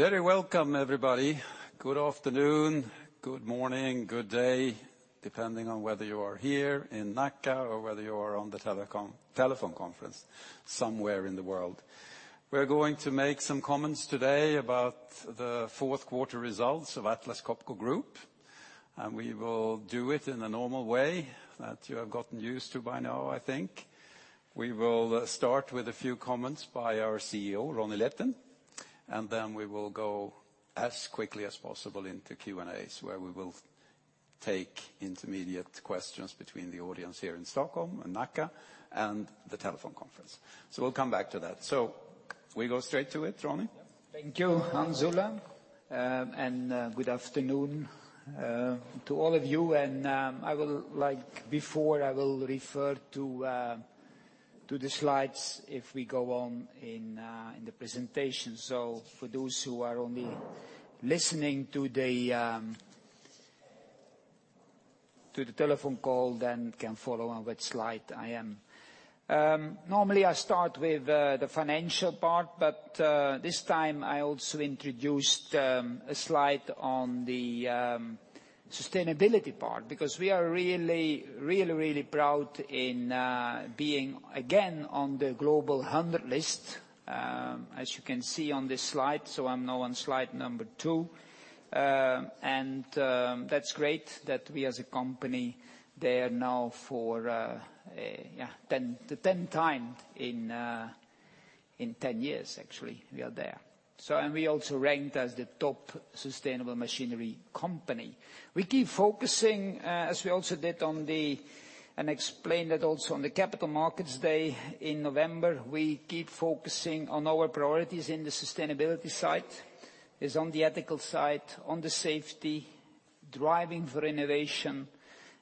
Very welcome, everybody. Good afternoon, good morning, good day, depending on whether you are here in Nacka or whether you are on the telephone conference somewhere in the world. We are going to make some comments today about the fourth quarter results of Atlas Copco Group, and we will do it in the normal way that you have gotten used to by now, I think. We will start with a few comments by our CEO, Ronnie Leten, then we will go as quickly as possible into Q&As, where we will take intermediate questions between the audience here in Stockholm and Nacka and the telephone conference. We will come back to that. We go straight to it, Ronnie? Thank you, Hans Ola, good afternoon to all of you. Like before, I will refer to the slides if we go on in the presentation. For those who are only listening to the telephone call, can follow on what slide I am. Normally I start with the financial part, but this time I also introduced a slide on the sustainability part because we are really, really proud in being again on the Global 100 list, as you can see on this slide. I am now on slide number two. That is great that we as a company there now for the 10th time in 10 years, actually, we are there. We also ranked as the top sustainable machinery company. We keep focusing, as we also did and explained that also on the Capital Markets Day in November, we keep focusing on our priorities in the sustainability side, is on the ethical side, on the safety, driving for innovation,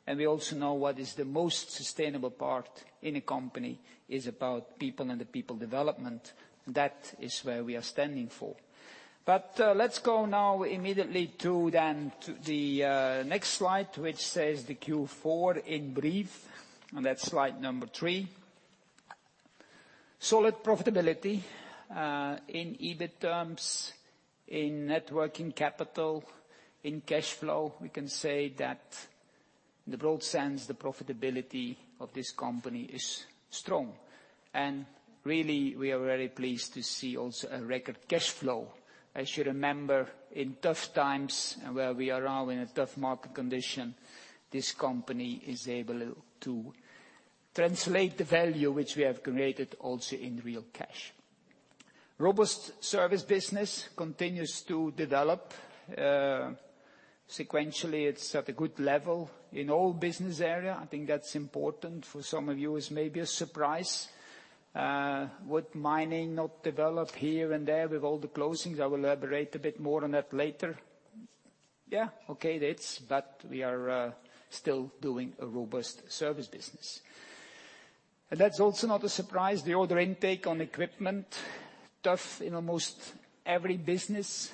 and we also know what is the most sustainable part in a company is about people and the people development. That is where we are standing for. Let us go now immediately to the next slide, which says the Q4 in brief, and that is slide number three. Solid profitability, in EBIT terms, in net working capital, in cash flow. We can say that in the broad sense, the profitability of this company is strong. Really, we are very pleased to see also a record cash flow. As you remember, in tough times and where we are now in a tough market condition, this company is able to translate the value which we have created also in real cash. Robust service business continues to develop. Sequentially, it is at a good level in all business area. I think that is important for some of you is maybe a surprise. Would mining not develop here and there with all the closings? I will elaborate a bit more on that later. Yeah, okay, we are still doing a robust service business. That is also not a surprise. The order intake on equipment, tough in almost every business,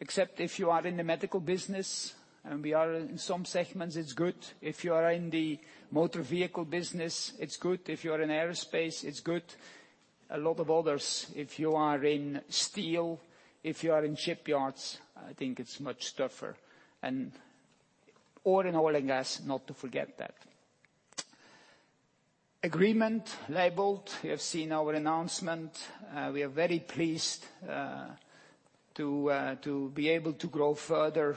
except if you are in the medical business, we are in some segments, it is good. If you are in the motor vehicle business, it is good. If you are in aerospace, it is good. A lot of others, if you are in steel, if you are in shipyards, I think it's much tougher. Oil and gas, not to forget that. Leybold. You have seen our announcement. We are very pleased to be able to grow further,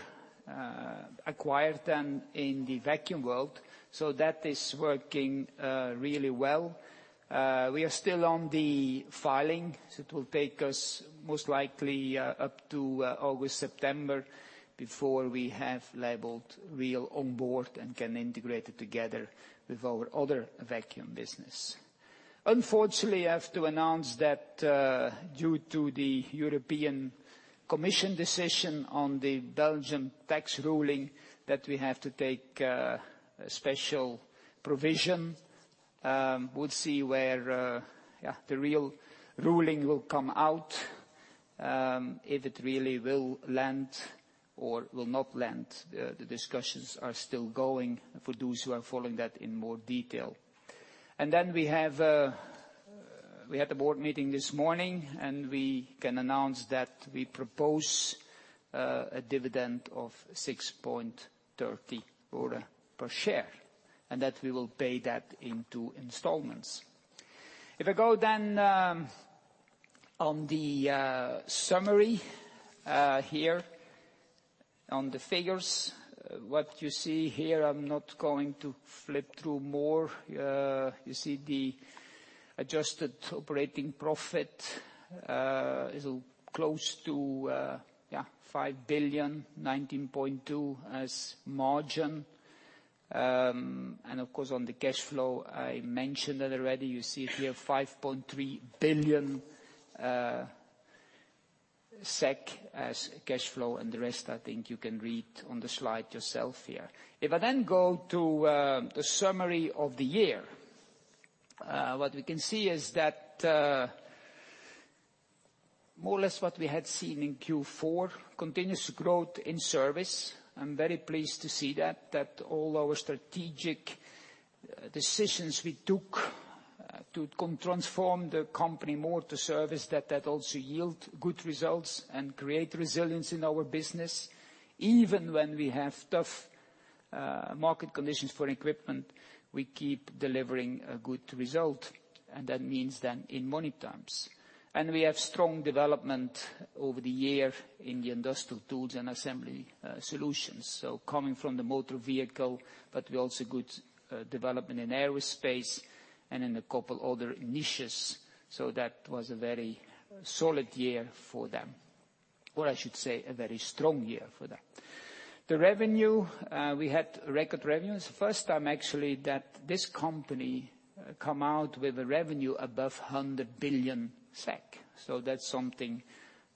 acquire then in the vacuum world. That is working really well. We are still on the filing, it will take us most likely up to August, September before we have Leybold really onboard and can integrate it together with our other vacuum business. Unfortunately, I have to announce that due to the European Commission decision on the Belgium tax ruling, that we have to take a special provision. We'll see where the real ruling will come out, if it really will land or will not land. The discussions are still going for those who are following that in more detail. We had a board meeting this morning, we can announce that we propose a dividend of 6.30 per share, we will pay that in two installments. I go on the summary here on the figures, what you see here, I'm not going to flip through more. You see the adjusted operating profit, is close to 5 billion, 19.2% as margin. Of course, on the cash flow, I mentioned that already. You see it here, 5.3 billion SEK as cash flow, the rest I think you can read on the slide yourself here. I go to the summary of the year, what we can see is that more or less what we had seen in Q4, continuous growth in service. I'm very pleased to see that all our strategic decisions we took to transform the company more to service, that also yield good results and create resilience in our business. Even when we have tough market conditions for equipment, we keep delivering a good result, that means then in money terms. We have strong development over the year in the industrial tools and assembly solutions. Coming from the Motor Vehicle Industry, we also good development in aerospace and in a couple other niches. That was a very solid year for them, or I should say, a very strong year for them. The revenue, we had record revenues. First time actually that this company come out with a revenue above 100 billion SEK, that's something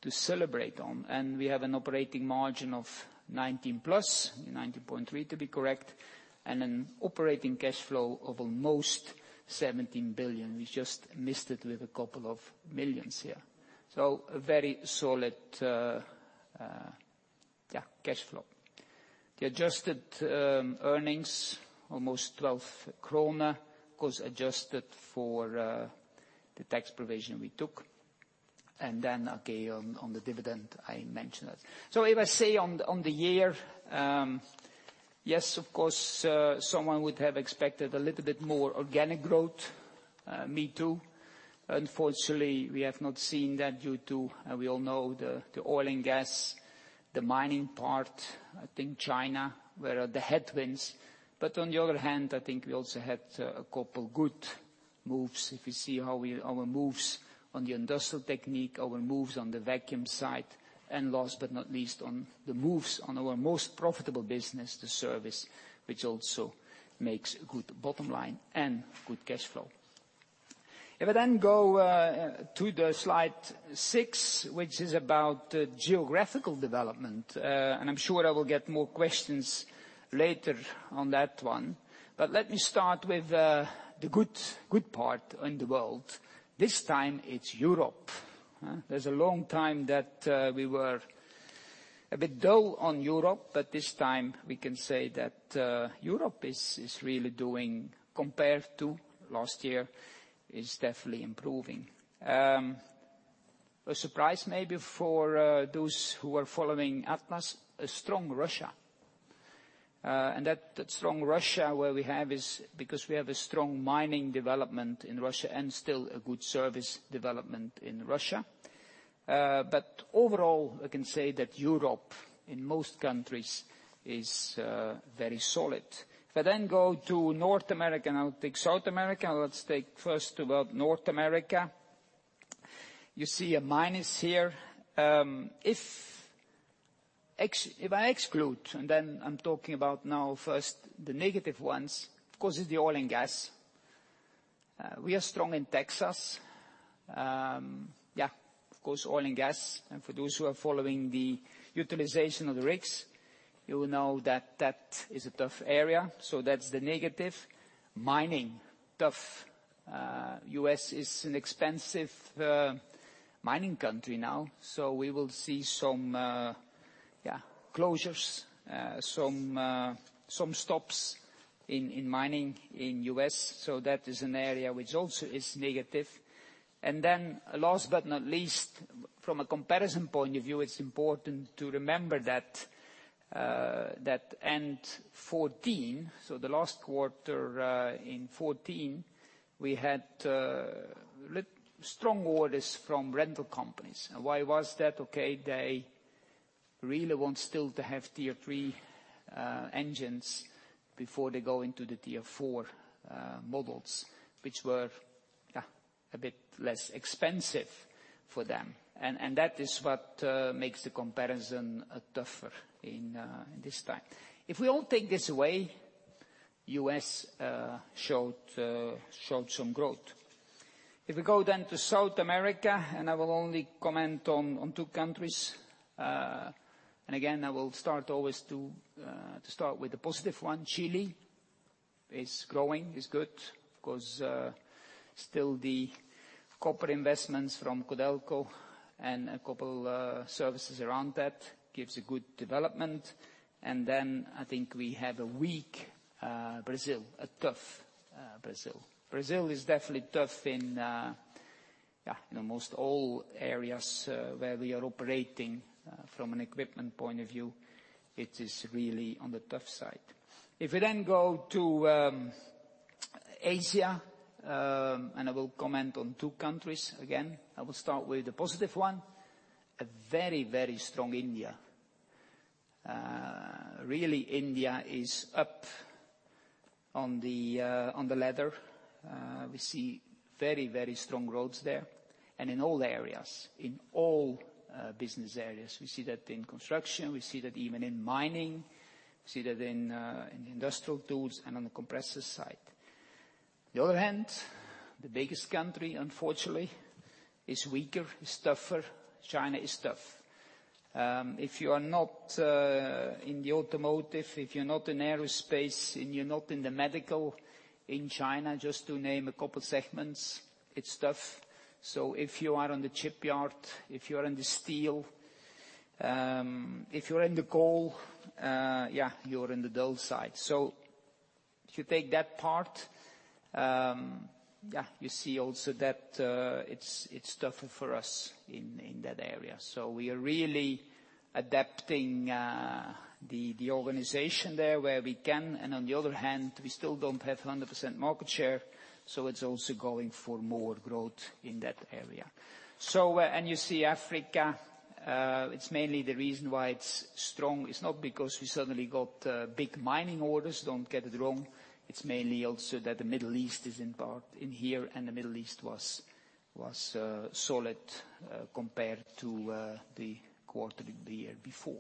to celebrate on. We have an operating margin of 19% plus, 19.3% to be correct, an operating cash flow of almost 17 billion. We just missed it with a couple of millions here. A very solid, yeah, cash flow. The adjusted earnings, almost 12 krona, of course, adjusted for the tax provision we took. Okay, on the dividend, I mentioned that. If I say on the year, yes, of course, someone would have expected a little bit more organic growth. Me too. Unfortunately, we have not seen that due to, we all know the oil and gas, the mining part, I think China were the headwinds. On the other hand, I think we also had a couple good moves. If you see how our moves on the Industrial Technique, our moves on the vacuum side, and last but not least, on the moves on our most profitable business, the service, which also makes a good bottom line and good cash flow. I then go to slide six, which is about geographical development, and I'm sure I will get more questions later on that one. Let me start with the good part in the world. This time it's Europe. There's a long time that we were a bit dull on Europe, this time we can say that Europe is really doing, compared to last year, is definitely improving. A surprise maybe for those who are following Atlas, a strong Russia. That strong Russia where we have is because we have a strong mining development in Russia and still a good service development in Russia. Overall, I can say that Europe, in most countries, is very solid. If I go to North America, now take South America, let's take first about North America. You see a minus here. If I exclude, and then I'm talking about now first the negative ones, of course, it's the oil and gas. We are strong in Texas. Yeah, of course, oil and gas. For those who are following the utilization of the rigs, you will know that that is a tough area. That's the negative. Mining, tough. U.S. is an expensive mining country now. We will see some closures, some stops in mining in U.S. That is an area which also is negative. Last but not least, from a comparison point of view, it's important to remember that end 2014, so the last quarter in 2014, we had strong orders from rental companies. Why was that? Okay, they really want still to have Tier 3 engines before they go into the Tier 4 models, which were a bit less expensive for them. That is what makes the comparison tougher in this time. If we all take this away, U.S. showed some growth. If we go to South America, I will only comment on two countries. Again, I will start always to start with the positive one. Chile is growing, is good. Of course, still the copper investments from Codelco and a couple services around that gives a good development. I think we have a weak Brazil, a tough Brazil. Brazil is definitely tough in most all areas where we are operating from an equipment point of view, it is really on the tough side. If we go to Asia, I will comment on two countries again. I will start with the positive one, a very, very strong India. Really India is up on the ladder. We see very, very strong growth there and in all areas. In all business areas. We see that in construction, we see that even in mining, we see that in industrial tools and on the compressor side. The other hand, the biggest country, unfortunately, is weaker, is tougher. China is tough. If you are not in the automotive, if you're not in aerospace and you're not in the medical in China, just to name a couple segments, it's tough. If you are on the shipyard, if you are in the steel. If you're in the coal, you're in the dull side. If you take that part, you see also that it's tougher for us in that area. We are really adapting the organization there where we can, and on the other hand, we still don't have 100% market share, so it's also going for more growth in that area. You see Africa, it's mainly the reason why it's strong. It's not because we suddenly got big mining orders, don't get it wrong. It's mainly also that the Middle East is in part in here, and the Middle East was solid compared to the quarter the year before.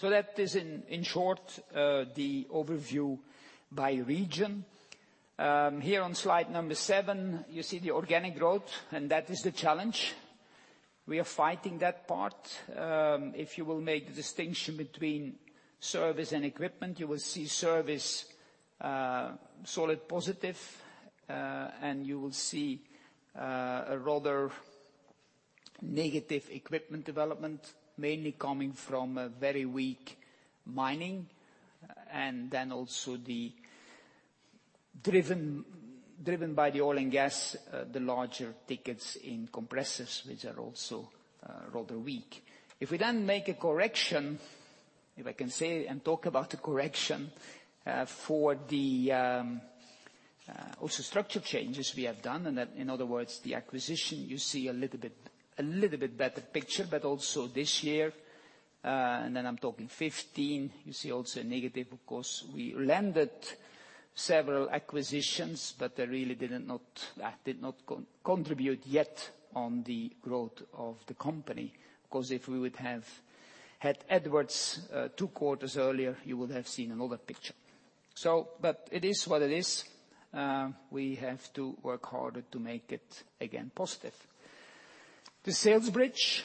That is in short the overview by region. Here on slide seven, you see the organic growth, and that is the challenge. We are fighting that part. If you will make the distinction between service and equipment, you will see service solid positive, and you will see a rather negative equipment development, mainly coming from a very weak mining, and also driven by the oil and gas, the larger tickets in compressors, which are also rather weak. We make a correction, if I can say and talk about the correction for the also structure changes we have done, and in other words, the acquisition, you see a little bit better picture, but also this year, and then I'm talking 2015, you see also a negative, of course. We landed several acquisitions, but that did not contribute yet on the growth of the company. If we would have had Edwards two quarters earlier, you would have seen another picture. It is what it is. We have to work harder to make it again positive. The sales bridge.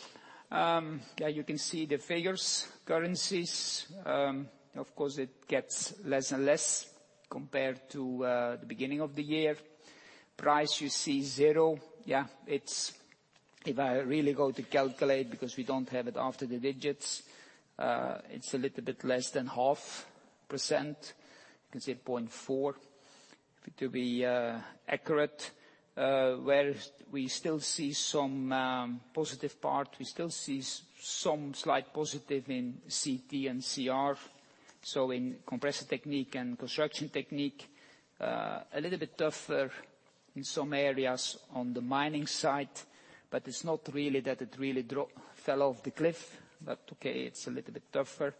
You can see the figures, currencies, of course it gets less and less compared to the beginning of the year. Price, you see zero. If I really go to calculate, because we don't have it after the digits, it's a little bit less than 0.5%. You can say 0.4%, to be accurate, where we still see some positive part. We still see some slight positive in CT and CR, so in Compressor Technique and Construction Technique. A little bit tougher in some areas on the mining side, it's not really that it really fell off the cliff, it's a little bit tougher.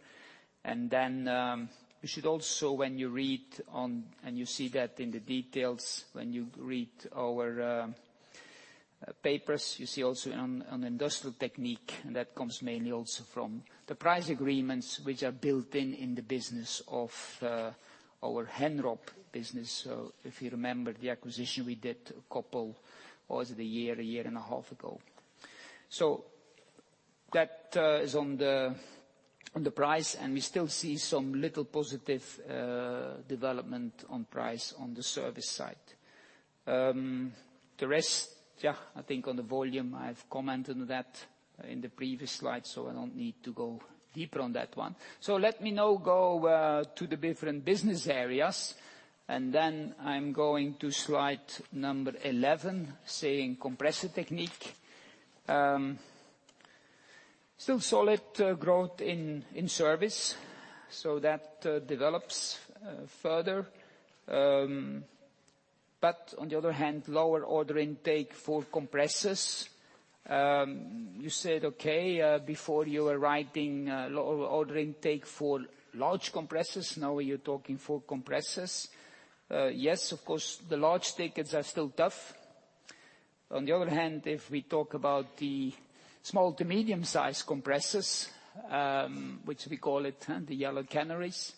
You should also, when you read on, and you see that in the details, when you read our papers, you see also on Industrial Technique, and that comes mainly also from the price agreements, which are built in in the business of our Henrob business. If you remember the acquisition we did a couple, was it a year, a year and a half ago. That is on the price, and we still see some little positive development on price on the service side. The rest, I think on the volume, I've commented on that in the previous slide, so I don't need to go deeper on that one. Let me now go to the different business areas, I'm going to slide 11, saying Compressor Technique. Still solid growth in service, that develops further. On the other hand, lower order intake for compressors. You said, okay, before you were writing low order intake for large compressors, now you're talking for compressors. Of course, the large tickets are still tough. On the other hand, if we talk about the small to medium-sized compressors, which we call it the yellow canaries.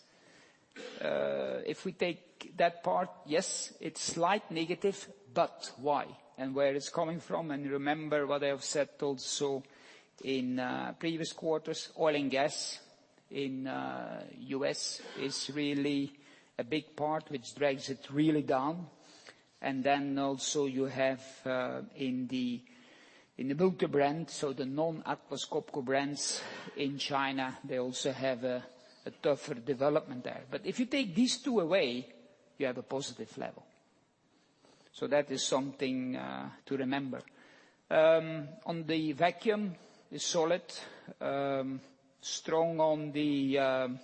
If we take that part, yes, it's slight negative, but why? And where it's coming from, and remember what I have said also in previous quarters, oil and gas in U.S. is really a big part which drags it really down. Then also you have in the multi-brand, so the non-Atlas Copco brands in China, they also have a tougher development there. If you take these two away, you have a positive level. That is something to remember. On the vacuum, it's solid, strong on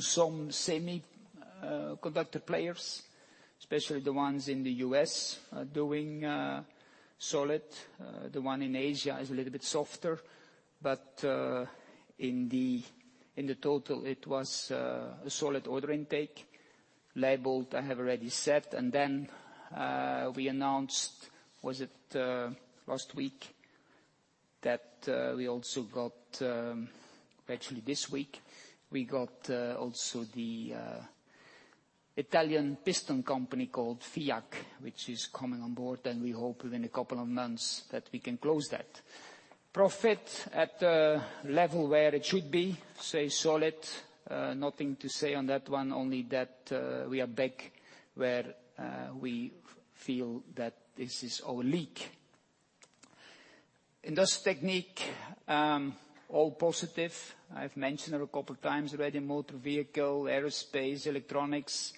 some semiconductor players, especially the ones in the U.S. are doing solid. The one in Asia is a little bit softer. In the total, it was a solid order intake. Leybold, I have already said. Then we announced, was it last week, that we also got. Actually, this week, we got also the Italian piston company called FIAC, which is coming on board, and we hope within a couple of months that we can close that. Profit at the level where it should be, say solid, nothing to say on that one, only that we are back where we feel that this is our league Industrial Technique, all positive. I've mentioned it a couple times already. Motor Vehicle, aerospace, electronics,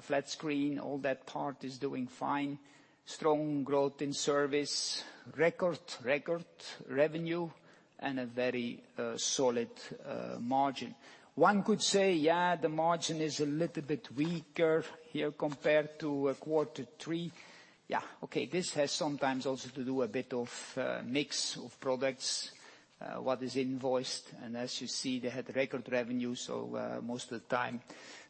flat screen, all that part is doing fine. Strong growth in service. Record revenue, and a very solid margin. One could say, the margin is a little bit weaker here compared to quarter three. Okay, this has sometimes also to do a bit of mix of products, what is invoiced, and as you see, they had record revenue. Most of the time,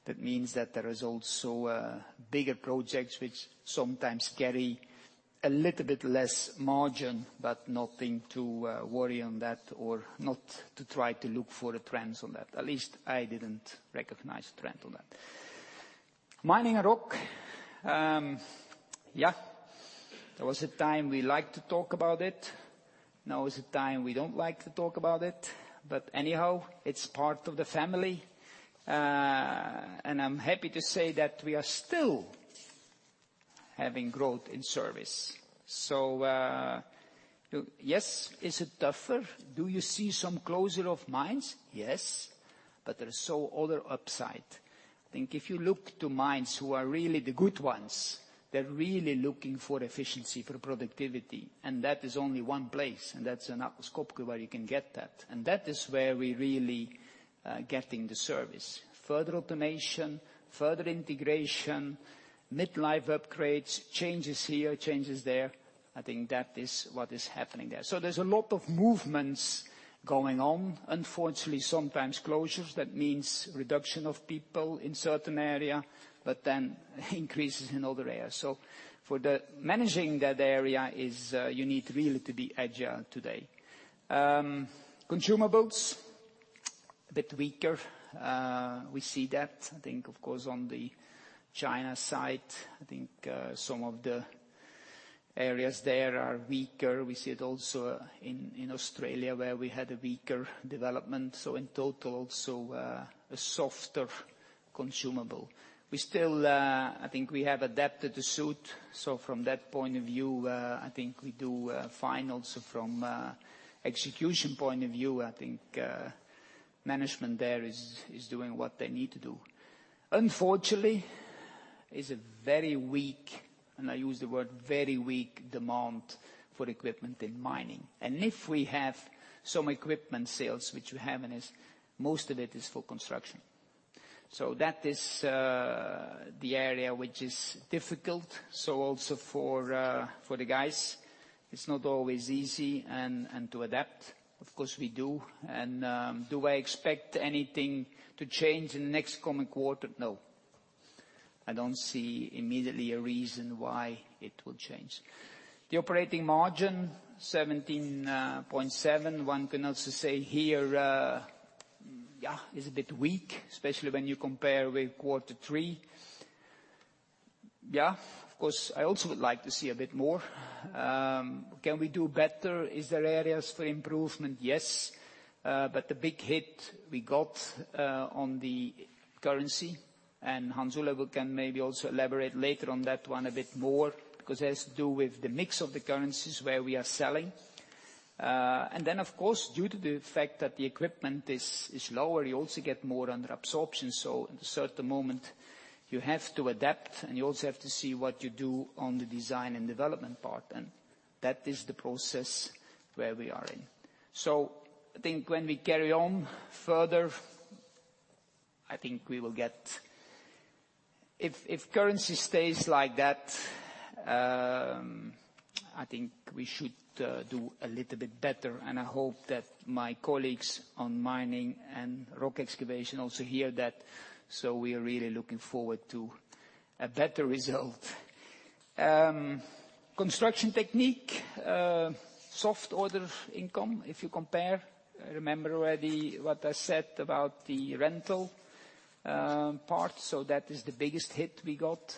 that means that there is also bigger projects, which sometimes carry a little bit less margin, but nothing to worry on that, or not to try to look for the trends on that. At least I didn't recognize a trend on that. Mining and Rock. There was a time we liked to talk about it. Now is a time we don't like to talk about it. Anyhow, it's part of the family. I'm happy to say that we are still having growth in service. Yes, is it tougher? Do you see some closure of mines? Yes. There is so other upside. I think if you look to mines who are really the good ones, they're really looking for efficiency, for productivity, and that is only one place, and that's in Atlas Copco where you can get that. That is where we really getting the service. Further automation, further integration, mid-life upgrades, changes here, changes there. I think that is what is happening there. There's a lot of movements going on. Unfortunately, sometimes closures, that means reduction of people in certain area, then increases in other areas. For the managing that area is, you need really to be agile today. Consumables, a bit weaker. We see that, of course, on the China side. I think some of the areas there are weaker. We see it also in Australia where we had a weaker development. In total also a softer consumable. I think we have adapted to suit. From that point of view, I think we do fine also from execution point of view. I think management there is doing what they need to do. Unfortunately, is a very weak, and I use the word very weak, demand for equipment in mining. If we have some equipment sales, which we have, most of it is for construction. That is the area which is difficult. Also for the guys, it's not always easy to adapt. Of course we do. Do I expect anything to change in the next coming quarter? No. I don't see immediately a reason why it will change. The operating margin, 17.7%. One can also say here, is a bit weak, especially when you compare with quarter three. Of course, I also would like to see a bit more. Can we do better? Is there areas for improvement? Yes. The big hit we got on the currency, and Hans Ola can maybe also elaborate later on that one a bit more, because it has to do with the mix of the currencies where we are selling. Of course, due to the fact that the equipment is lower, you also get more under absorption. At a certain moment, you have to adapt, and you also have to see what you do on the design and development part. That is the process where we are in. I think when we carry on further, if currency stays like that, I think we should do a little bit better, and I hope that my colleagues on Mining and Rock Excavation Technique also hear that. We are really looking forward to a better result. Construction Technique, soft order income, if you compare. Remember already what I said about the rental part. That is the biggest hit we got.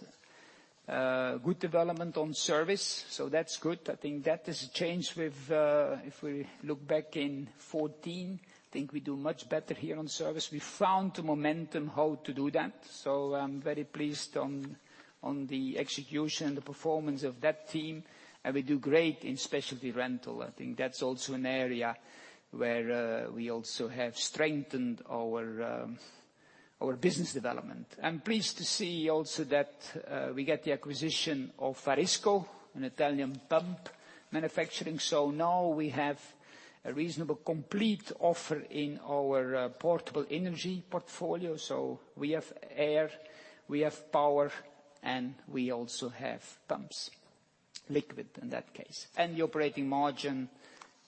Good development on service, that's good. I think that has changed. If we look back in 2014, I think we do much better here on service. We found the momentum how to do that. I'm very pleased on the execution and the performance of that team, and we do great in specialty rental. I think that's also an area where we also have strengthened our business development. I'm pleased to see also that we get the acquisition of Varisco, an Italian pump manufacturing. Now we have a reasonable complete offer in our Portable Energy portfolio. We have air, we have power, and we also have pumps. Liquid, in that case. The operating margin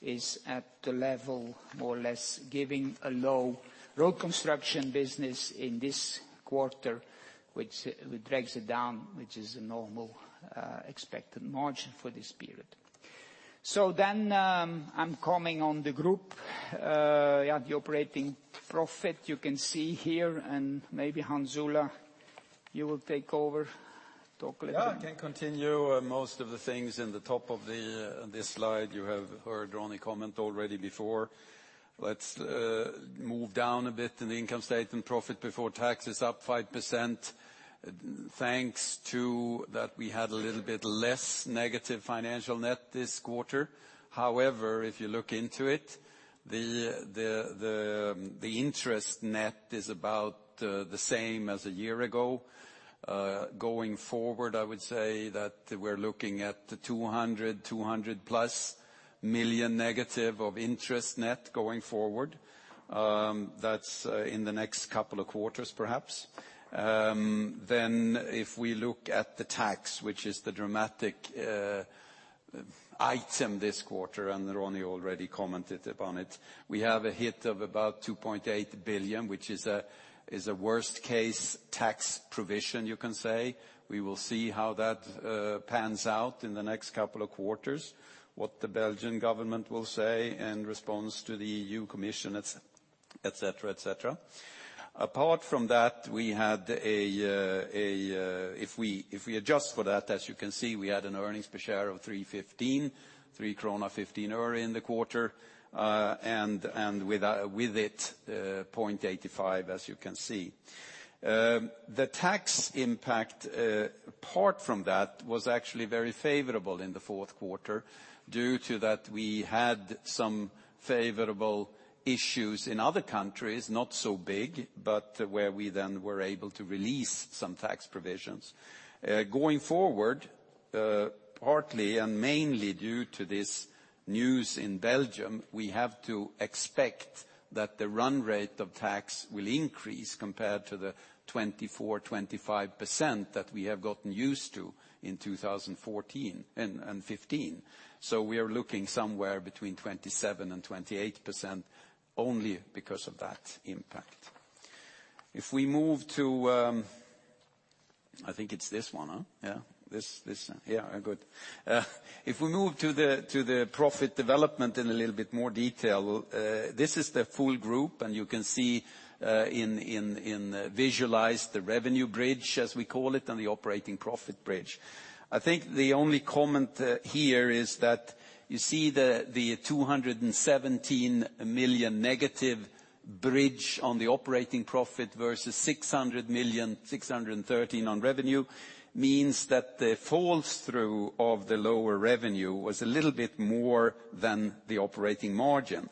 is at the level more or less giving a low road construction business in this quarter, which drags it down, which is a normal expected margin for this period. I'm coming on the group. The operating profit, you can see here, and maybe Hans Olav, you will take over, talk a little. I can continue. Most of the things in the top of this slide, you have heard Ronnie comment already before. Let's move down a bit in the income statement. Profit before tax is up 5%, thanks to that we had a little bit less negative financial net this quarter. If you look into it, the interest net is about the same as a year ago. Going forward, I would say that we are looking at 200 million, SEK 200 million-plus negative of interest net going forward. That is in the next couple of quarters, perhaps. If we look at the tax, which is the dramatic item this quarter, and Ronnie already commented upon it, we have a hit of about 2.8 billion, which is a worst-case tax provision, you can say. We will see how that pans out in the next couple of quarters, what the Belgian government will say in response to the EU Commission, et cetera. Apart from that, if we adjust for that, as you can see, we had an earnings per share of 3.15 krona, SEK 3.15 in the quarter. With it, 0.85, as you can see. The tax impact apart from that was actually very favorable in the fourth quarter due to that we had some favorable issues in other countries, not so big, but where we then were able to release some tax provisions. Going forward, partly and mainly due to this news in Belgium, we have to expect that the run rate of tax will increase compared to the 24%-25% that we have gotten used to in 2014 and 2015. We are looking somewhere between 27%-28% only because of that impact. If we move to this one. This. Good. If we move to the profit development in a little bit more detail, this is the full group, and you can see and visualize the revenue bridge, as we call it, and the operating profit bridge. The only comment here is that you see the 217 million negative bridge on the operating profit versus 600 million, 613 million on revenue means that the falls through of the lower revenue was a little bit more than the operating margin.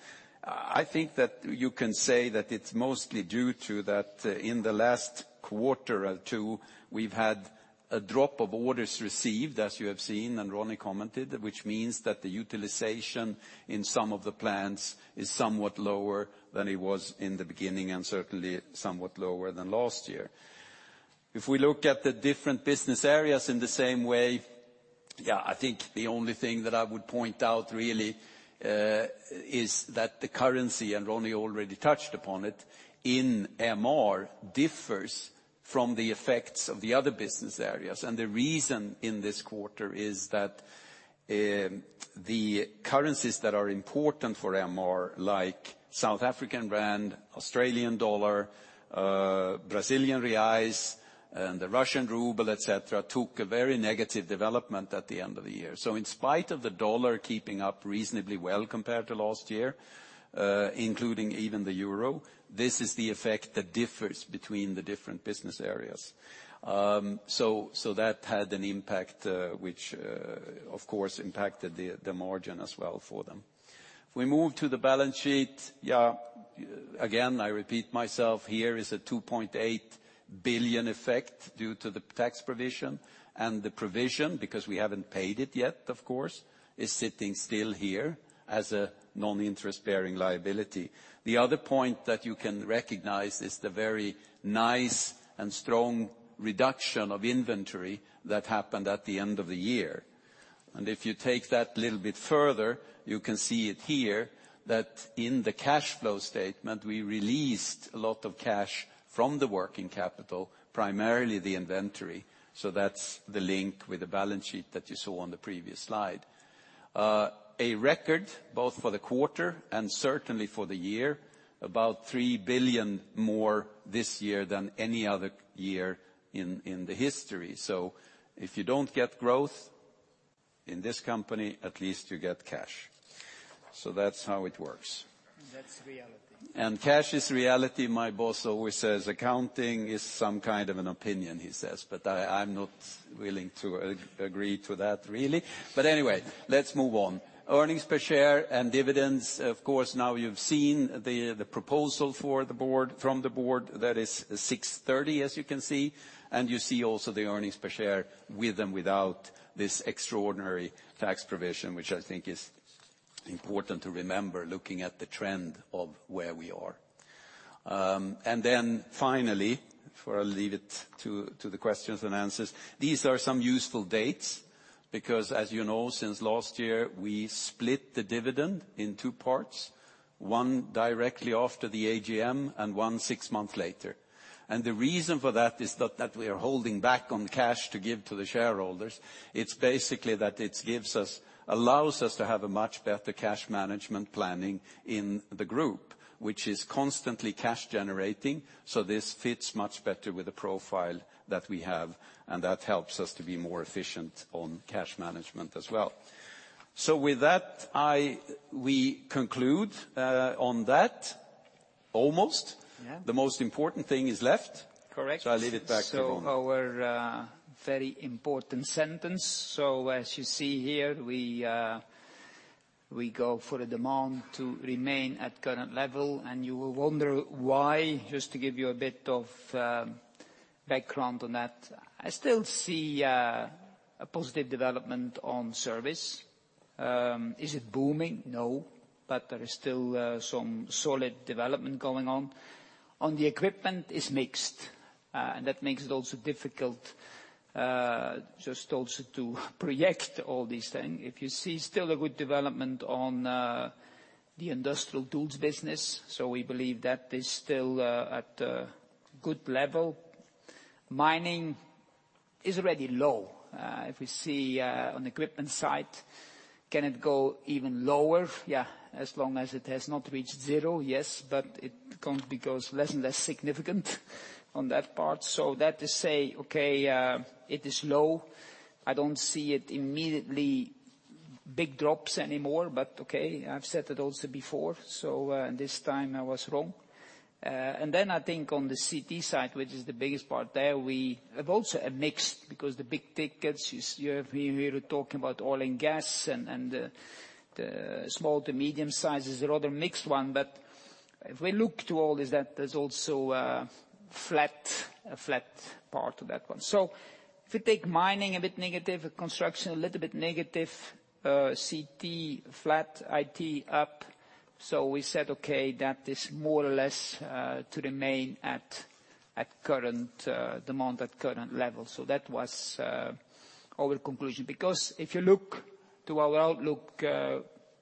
You can say that it is mostly due to that in the last quarter or two, we have had a drop of orders received, as you have seen, and Ronnie commented, which means that the utilization in some of the plans is somewhat lower than it was in the beginning, and certainly somewhat lower than last year. If we look at the different business areas in the same way, the only thing that I would point out really is that the currency, and Ronnie already touched upon it, in MR differs from the effects of the other business areas. The reason in this quarter is that the currencies that are important for MR, like South African rand, Australian dollar, Brazilian reais, and the Russian ruble, et cetera, took a very negative development at the end of the year. In spite of the U.S. dollar keeping up reasonably well compared to last year, including even the EUR, this is the effect that differs between the different business areas. That had an impact, which of course impacted the margin as well for them. If we move to the balance sheet, again, I repeat myself, here is a 2.8 billion effect due to the tax provision. The provision, because we haven't paid it yet, of course, is sitting still here as a non-interest-bearing liability. The other point that you can recognize is the very nice and strong reduction of inventory that happened at the end of the year. If you take that a little bit further, you can see it here that in the cash flow statement, we released a lot of cash from the working capital, primarily the inventory. That's the link with the balance sheet that you saw on the previous slide. A record both for the quarter and certainly for the year, about 3 billion more this year than any other year in the history. If you don't get growth in this company, at least you get cash. That's how it works. That's reality. Cash is reality. My boss always says accounting is some kind of an opinion, he says, I'm not willing to agree to that really. Anyway, let's move on. Earnings per share and dividends, of course, now you've seen the proposal from the board. That is 6.30, as you can see, and you see also the earnings per share with and without this extraordinary tax provision, which I think is important to remember looking at the trend of where we are. Then finally, before I leave it to the questions and answers, these are some useful dates because as you know, since last year we split the dividend in two parts, one directly after the AGM and one six months later. The reason for that is not that we are holding back on cash to give to the shareholders. It's basically that it allows us to have a much better cash management planning in the group. Which is constantly cash generating. This fits much better with the profile that we have, and that helps us to be more efficient on cash management as well. With that, we conclude on that, almost. Yeah. The most important thing is left. Correct. I leave it back to Ron. Our very important sentence. As you see here, we go for the demand to remain at current level, and you will wonder why. Just to give you a bit of background on that, I still see a positive development on service. Is it booming? No. There is still some solid development going on. On the equipment, it's mixed, and that makes it also difficult just also to project all these things. If you see still a good development on the industrial tools business, we believe that is still at a good level. Mining is already low. If we see on equipment side, can it go even lower? Yeah. As long as it has not reached zero, yes. It becomes less and less significant on that part. That to say, okay, it is low. I don't see it immediately big drops anymore. Okay, I've said that also before, so this time I was wrong. I think on the CT side, which is the biggest part there, we have also a mix because the big tickets, you hear me talking about oil and gas and the small to medium sizes, they're all a mixed one. If we look to all is that there's also a flat part to that one. If you take mining, a bit negative. Construction, a little bit negative. CT, flat. IT, up. We said, okay, that is more or less to remain at demand at current levels. That was our conclusion. If you look to our outlook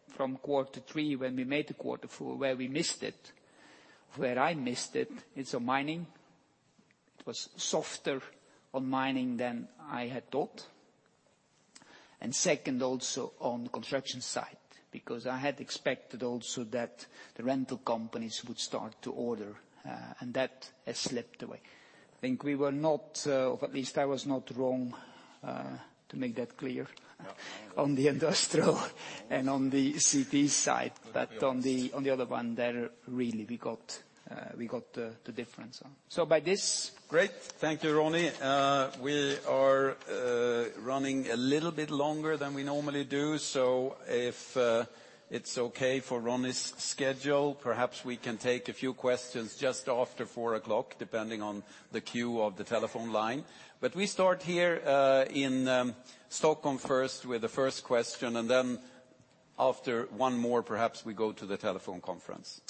from quarter three when we made the quarter four, where we missed it, where I missed it's on mining. It was softer on mining than I had thought. Second also on the construction side, I had expected also that the rental companies would start to order, and that has slipped away. I think we were not, or at least I was not wrong, to make that clear- Yeah on the industrial and on the CT side. On the other one, there really we got the difference. By this- Great. Thank you, Ronnie. We are running a little bit longer than we normally do, if it's okay for Ronnie's schedule, perhaps we can take a few questions just after 4:00, depending on the queue of the telephone line. We start here in Stockholm first with the first question, and then after one more, perhaps we go to the telephone conference.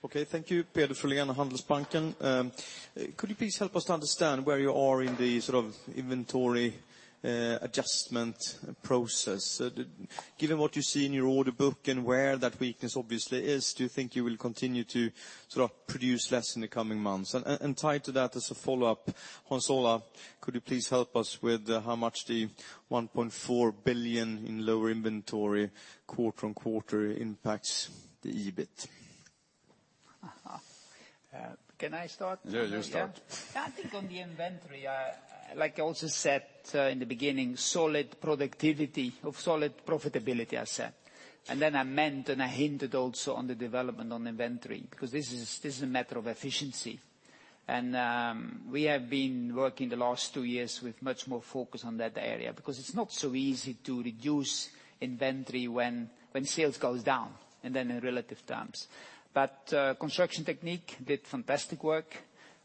Okay, thank you. Peder Frölén of Handelsbanken. Could you please help us to understand where you are in the inventory adjustment process? Given what you see in your order book and where that weakness obviously is, do you think you will continue to produce less in the coming months? Tied to that as a follow-up, Hans Olav, could you please help us with how much the 1.4 billion in lower inventory quarter-on-quarter impacts the EBIT? Can I start? No, you start. Yeah. I think on the inventory, like I also said in the beginning, solid productivity of solid profitability, I said. Then I meant and I hinted also on the development on inventory, because this is a matter of efficiency. We have been working the last two years with much more focus on that area, because it's not so easy to reduce inventory when sales goes down, then in relative terms. Construction Technique did fantastic work.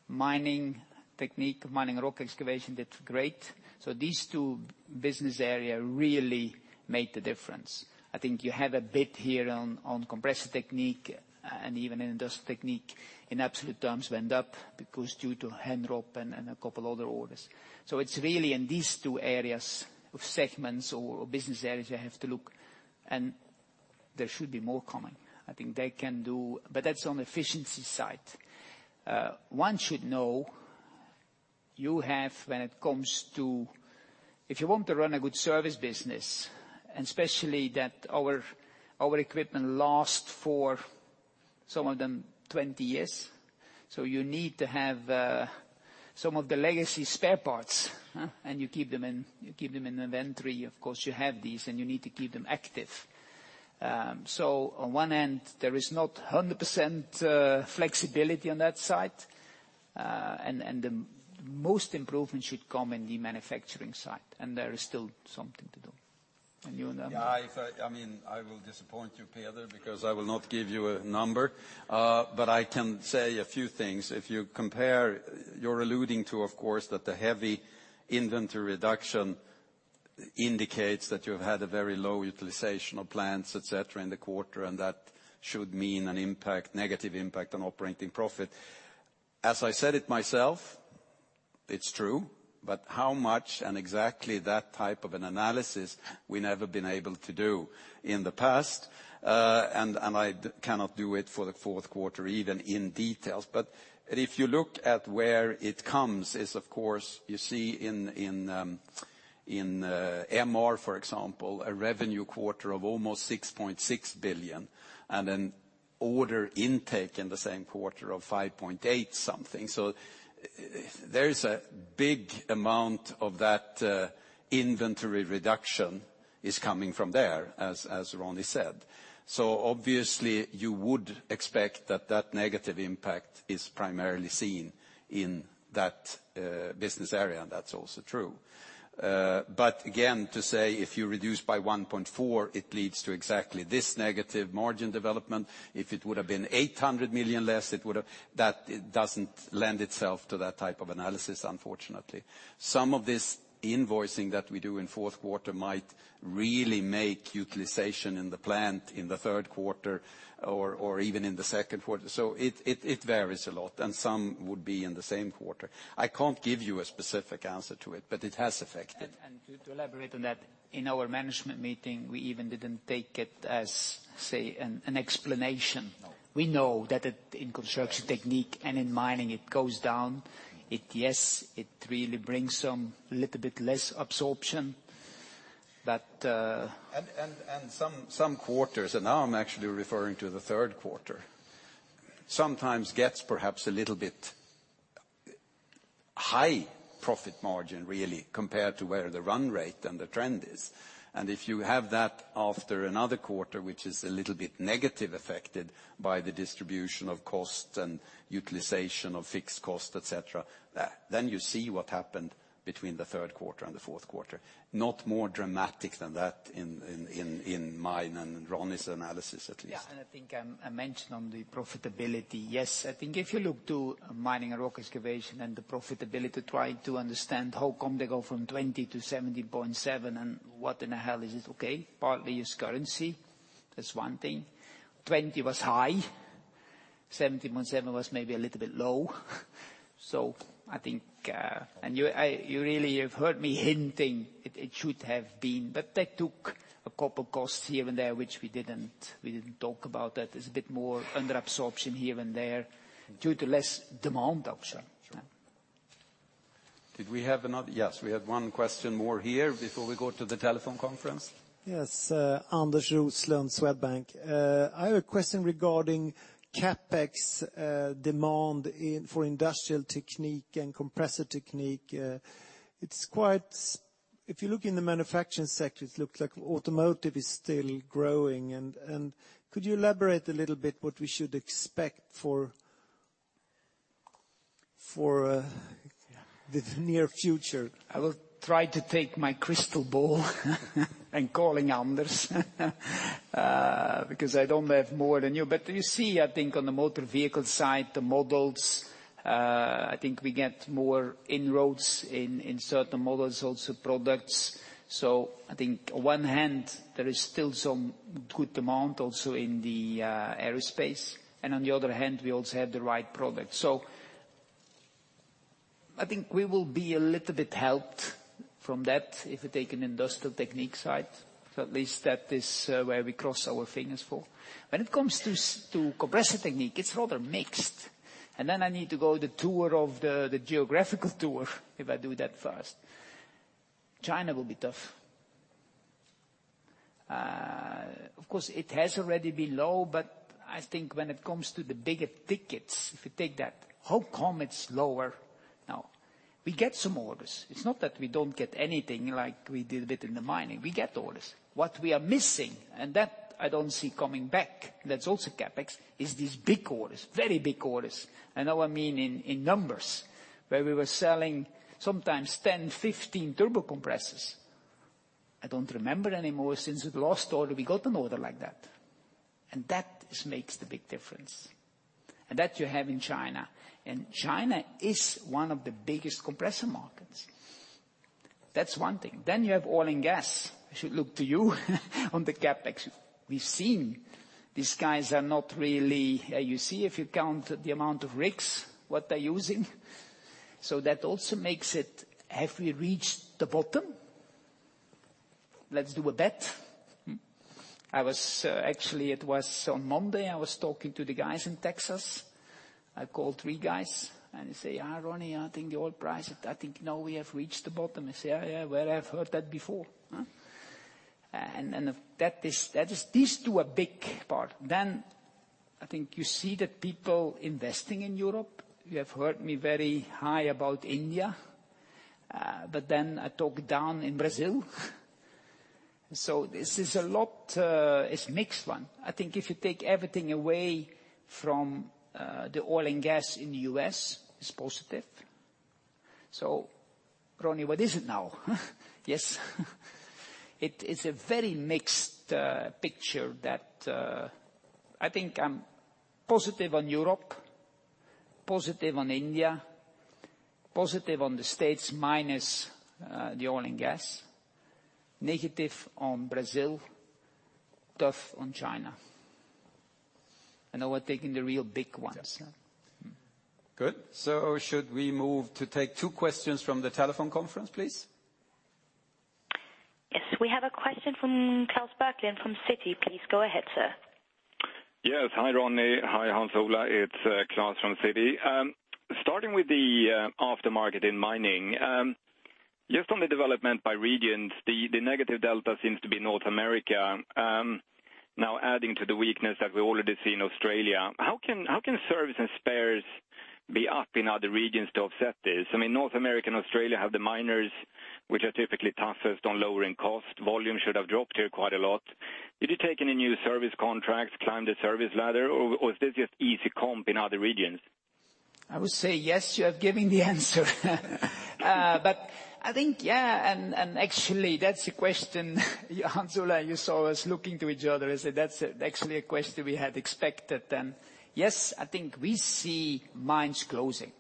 Mining Technique, Mining Rock Excavation Technique did great. These two business area really made the difference. I think you have a bit here on Compressor Technique and even Industrial Technique in absolute terms went up because due to Henrob and a couple other orders. It's really in these two areas of segments or business areas you have to look, and there should be more coming. I think they can do, but that's on efficiency side. One should know you have when it comes to if you want to run a good service business, and especially that our equipment last for some of them 20 years. You need to have some of the legacy spare parts, and you keep them in inventory. Of course, you have these, and you need to keep them active. On one end, there is not 100% flexibility on that side. The most improvement should come in the manufacturing side, and there is still something to do. You, Hans? Yeah. I will disappoint you, Peder, because I will not give you a number. I can say a few things. If you compare, you're alluding to, of course, that the heavy inventory reduction indicates that you've had a very low utilizational plans, et cetera, in the quarter, and that should mean an impact, negative impact on operating profit. As I said it myself, it's true, but how much and exactly that type of an analysis we never been able to do in the past. I cannot do it for the fourth quarter even in details. If you look at where it comes is, of course, you see in MR, for example, a revenue quarter of almost 6.6 billion, and an order intake in the same quarter of 5.8 something. There is a big amount of that inventory reduction is coming from there, as Ronnie said. Obviously you would expect that negative impact is primarily seen in that business area, and that's also true. Again, to say if you reduce by 1.4, it leads to exactly this negative margin development. If it would've been 800 million less, that doesn't lend itself to that type of analysis, unfortunately. Some of this invoicing that we do in fourth quarter might really make utilization in the plant in the third quarter or even in the second quarter. It varies a lot, and some would be in the same quarter. I can't give you a specific answer to it, but it has affected. To elaborate on that, in our management meeting, we even didn't take it as, say, an explanation. No. We know that in Construction Technique and in mining, it goes down. Yes, it really brings a little bit less absorption. Some quarters, and now I'm actually referring to the third quarter, sometimes gets perhaps a little bit high profit margin, really, compared to where the run rate and the trend is. If you have that after another quarter, which is a little bit negative affected by the distribution of cost and utilization of fixed cost, et cetera, then you see what happened between the third quarter and the fourth quarter. Not more dramatic than that in my and Ronnie's analysis, at least. I think I mentioned on the profitability, yes, I think if you look to Mining and Rock Excavation Technique and the profitability, trying to understand how come they go from 20 to 17.7, and what in the hell is it? Okay, partly is currency. That's one thing. 20 was high, 17.7 was maybe a little bit low. You really have heard me hinting it should have been, but that took a couple costs here and there, which we didn't talk about that. It's a bit more under absorption here and there due to less demand, also. Sure. Did we have another? Yes, we have one question more here before we go to the telephone conference. Yes. Anders Roslund, Swedbank. I have a question regarding CapEx demand for Industrial Technique and Compressor Technique. If you look in the manufacturing sector, it looks like automotive is still growing, could you elaborate a little bit what we should expect for the near future? I will try to take my crystal ball calling Anders, because I don't have more than you. You see, I think, on the motor vehicle side, the models, I think we get more inroads in certain models, also products. I think on one hand, there is still some good demand also in the aerospace, on the other hand, we also have the right product. I think we will be a little bit helped from that if we take an Industrial Technique side. At least that is where we cross our fingers for. When it comes to Compressor Technique, it's rather mixed. Then I need to go the geographical tour, if I do that first. China will be tough. Of course, it has already been low, but I think when it comes to the bigger tickets, if you take that, how come it's lower now? We get some orders. It's not that we don't get anything like we did a bit in the mining. We get orders. What we are missing, that I don't see coming back, that's also CapEx, is these big orders, very big orders. Now I mean in numbers, where we were selling sometimes 10, 15 turbo compressors. I don't remember anymore since we lost order, we got an order like that. That makes the big difference. That you have in China. China is one of the biggest compressor markets. That's one thing. Then you have oil and gas. I should look to you on the CapEx. We've seen these guys are not really. You see if you count the amount of rigs, what they're using. That also makes it, have we reached the bottom? Let's do a bet. Actually, it was on Monday, I was talking to the guys in Texas. I called three guys, they say, "Ronnie, I think the oil price, I think now we have reached the bottom." I say, "Yeah. Where I've heard that before?" These two are big part. Then I think you see the people investing in Europe. You have heard me very high about India. But then I talk down in Brazil. This is a lot, it's mixed one. I think if you take everything away from the oil and gas in the U.S., it's positive. Ronnie, what is it now? Yes. It is a very mixed picture that I think I'm positive on Europe, positive on India, positive on the States, minus the oil and gas, negative on Brazil, tough on China. Now we're taking the real big ones. Good. Should we move to take two questions from the telephone conference, please? Yes. We have a question from Klas Bergelind from Citi. Please go ahead, sir. Yes. Hi, Ronnie. Hi, Hans Ola. It's Klas from Citi. Starting with the aftermarket in mining, just on the development by regions, the negative delta seems to be North America. Now adding to the weakness that we already see in Australia. How can service and spares be up in other regions to offset this? I mean, North America and Australia have the miners, which are typically toughest on lowering cost. Volume should have dropped here quite a lot. Did you take any new service contracts, climb the service ladder, or is this just easy comp in other regions? I would say yes, you have given the answer. I think, and actually, that's a question, Hans Ola, you saw us looking to each other and say that's actually a question we had expected then. Yes, I think we see mines closing,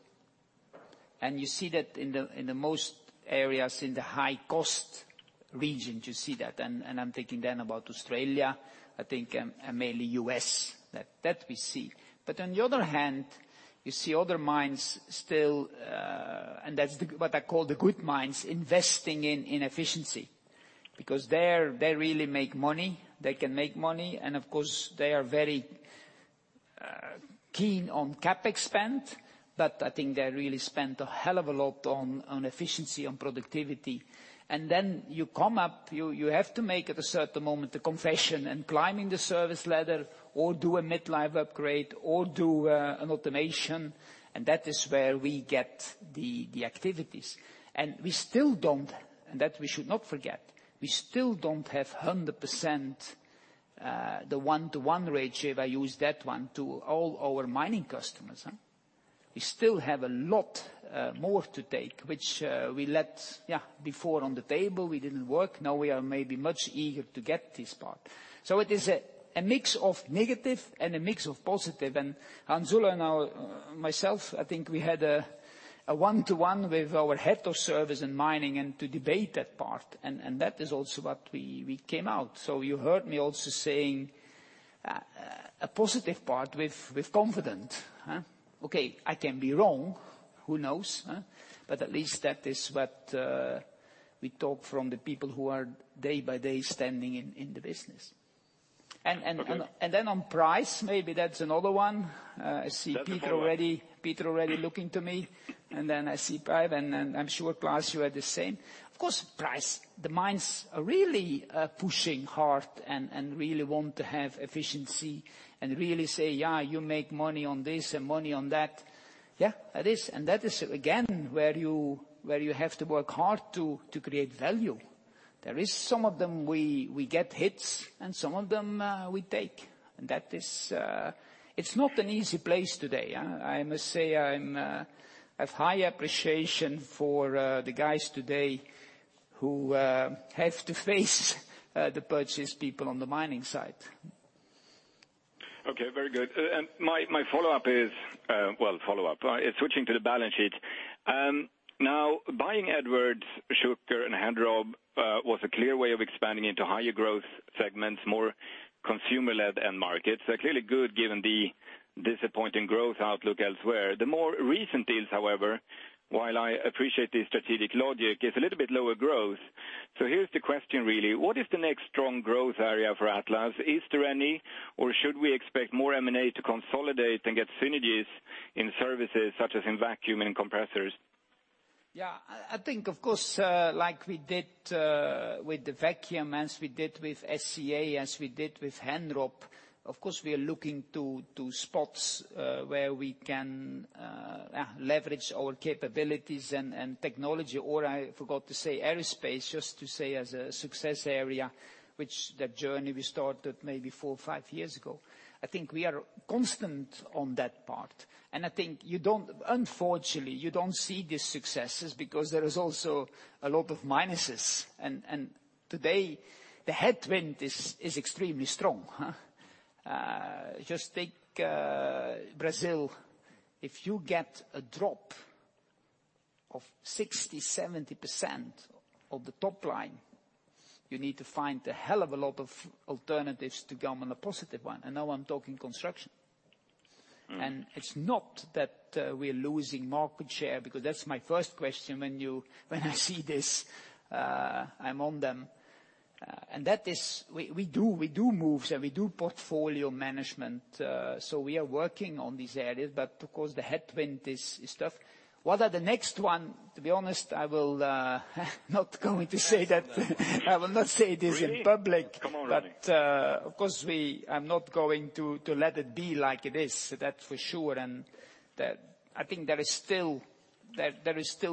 and you see that in the most areas in the high-cost regions, you see that, and I'm thinking then about Australia, I think, and mainly U.S. That we see. On the other hand, you see other mines still, and that's what I call the good mines, investing in efficiency because they really make money. They can make money, and of course, they are very keen on CapEx spend, but I think they really spend a hell of a lot on efficiency, on productivity. Then you come up, you have to make, at a certain moment, the confession and climb in the service ladder or do a mid-life upgrade or do an automation, and that is where we get the activities. We still don't, and that we should not forget, we still don't have 100% the one-to-one ratio, if I use that one, to all our mining customers. We still have a lot more to take, which we let before on the table, we didn't work. Now we are maybe much eager to get this part. So it is a mix of negative and a mix of positive. Hans Ola and myself, I think we had a one-to-one with our head of service in mining and to debate that part, and that is also what we came out. So you heard me also saying a positive part with confidence. Okay, I can be wrong, who knows? At least that is what we talk from the people who are day by day standing in the business. Okay. Then on price, maybe that's another one. I see Peder already looking to me, then I see Peder, and I'm sure, Klas, you are the same. Of course, price. The mines are really pushing hard and really want to have efficiency and really say, "Yeah, you make money on this and money on that." Yeah, that is. That is again, where you have to work hard to create value. There is some of them we get hits and some of them we take. It's not an easy place today. I must say I have high appreciation for the guys today who have to face the purchase people on the mining side. Okay, very good. My follow-up is, well, follow-up. It's switching to the balance sheet. Now, buying Edwards, Schucker, and Henrob was a clear way of expanding into higher growth segments, more consumer-led end markets. Clearly good, given the disappointing growth outlook elsewhere. The more recent deals, however, while I appreciate the strategic logic, is a little bit lower growth. Here's the question, really. What is the next strong growth area for Atlas? Is there any, or should we expect more M&A to consolidate and get synergies in services such as in vacuum and compressors? Yeah. I think, of course, like we did with the vacuum, as we did with SCA, as we did with Henrob, of course, we are looking to spots where we can leverage our capabilities and technology, or I forgot to say aerospace, just to say as a success area, which that journey we started maybe four or five years ago. I think we are constant on that part. I think unfortunately, you don't see these successes because there is also a lot of minuses. Today, the headwind is extremely strong. Just take Brazil. If you get a drop of 60%-70% of the top line, you need to find a hell of a lot of alternatives to come on a positive one, and now I'm talking construction. It's not that we're losing market share, because that's my first question when you see this, I'm on them. We do moves, and we do portfolio management. We are working on these areas, but of course, the headwind is tough. What are the next one? To be honest, I will not going to say that. I will not say this in public. Really? Come on, Ronnie. Of course, I'm not going to let it be like it is, that's for sure. I think there is still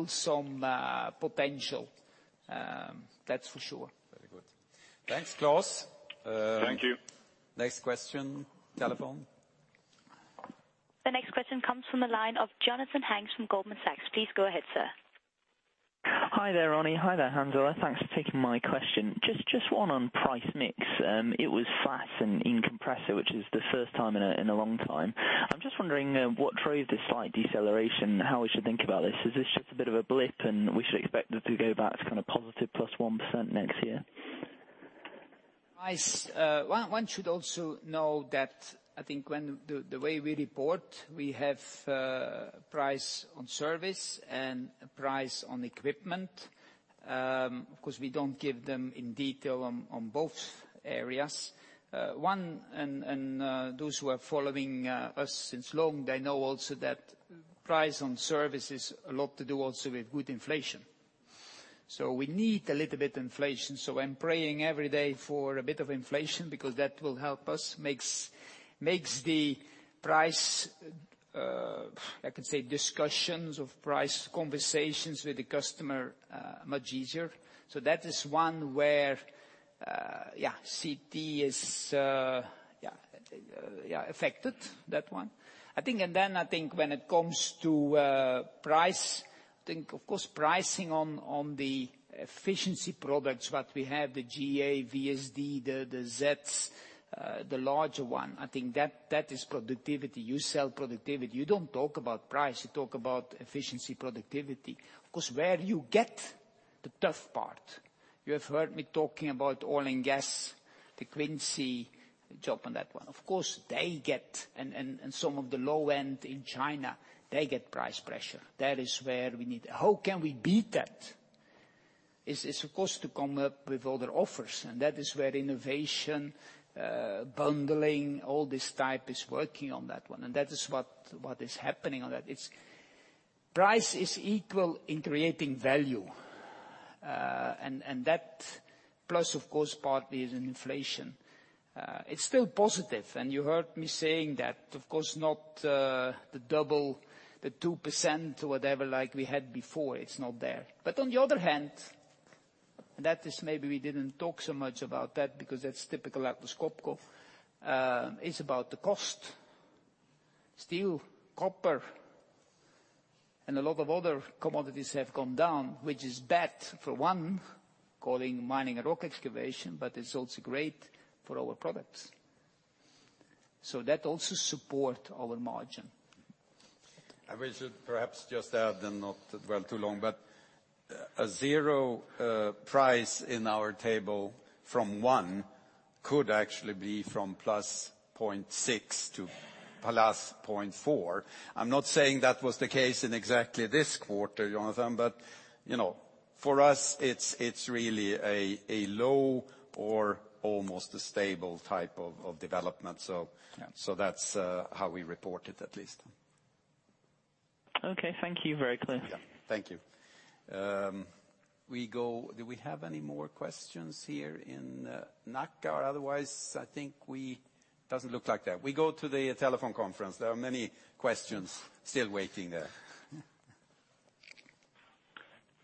some potential, that's for sure. Very good. Thanks, Klas. Thank you. Next question. Telephone. The next question comes from the line of Jonathan Hanks from Goldman Sachs. Please go ahead, sir. Hi there, Ronnie. Hi there, Hans Ola. Thanks for taking my question. Just one on price mix. It was flat in compressor, which is the first time in a long time. I am just wondering what drove this slight deceleration, how we should think about this? Is this just a bit of a blip, and we should expect it to go back to kind of positive +1% next year? One should also know that, I think, the way we report, we have price on service and price on equipment. Of course, we do not give them in detail on both areas. One, and those who are following us since long, they know also that price on service is a lot to do also with good inflation. We need a little bit inflation. I am praying every day for a bit of inflation because that will help us, makes the price, I could say, discussions of price conversations with the customer much easier. That is one where CT is affected, that one. I think when it comes to price, I think, of course, pricing on the efficiency products, what we have, the GA, VSD, the Zs, the larger one, I think that is productivity. You sell productivity. You do not talk about price, you talk about efficiency productivity. Of course, where you get the tough part, you have heard me talking about oil and gas, the Quincy job on that one. Of course, they get, and some of the low end in China, they get price pressure. That is where we need it. How can we beat that? Is, of course, to come up with other offers, and that is where innovation, bundling, all this type is working on that one. That is what is happening on that. Price is equal in creating value. That plus, of course, partly is in inflation. It is still positive, and you heard me saying that. Of course not the double, the 2% or whatever like we had before, it is not there. On the other hand, that is maybe we did not talk so much about that because that is typical Atlas Copco. It is about the cost. Steel, copper, and a lot of other commodities have come down, which is bad for one, calling Mining and Rock Excavation, but it is also great for our products. That also supports our margin. We should perhaps just add and not dwell too long, but a zero price in our table from one could actually be from +0.6 to +0.4. I'm not saying that was the case in exactly this quarter, Jonathan, but for us, it's really a low or almost a stable type of development. Yeah. That's how we report it at least. Okay. Thank you, very clear. Yeah. Thank you. Do we have any more questions here in Nacka? I think. Doesn't look like that. We go to the telephone conference. There are many questions still waiting there.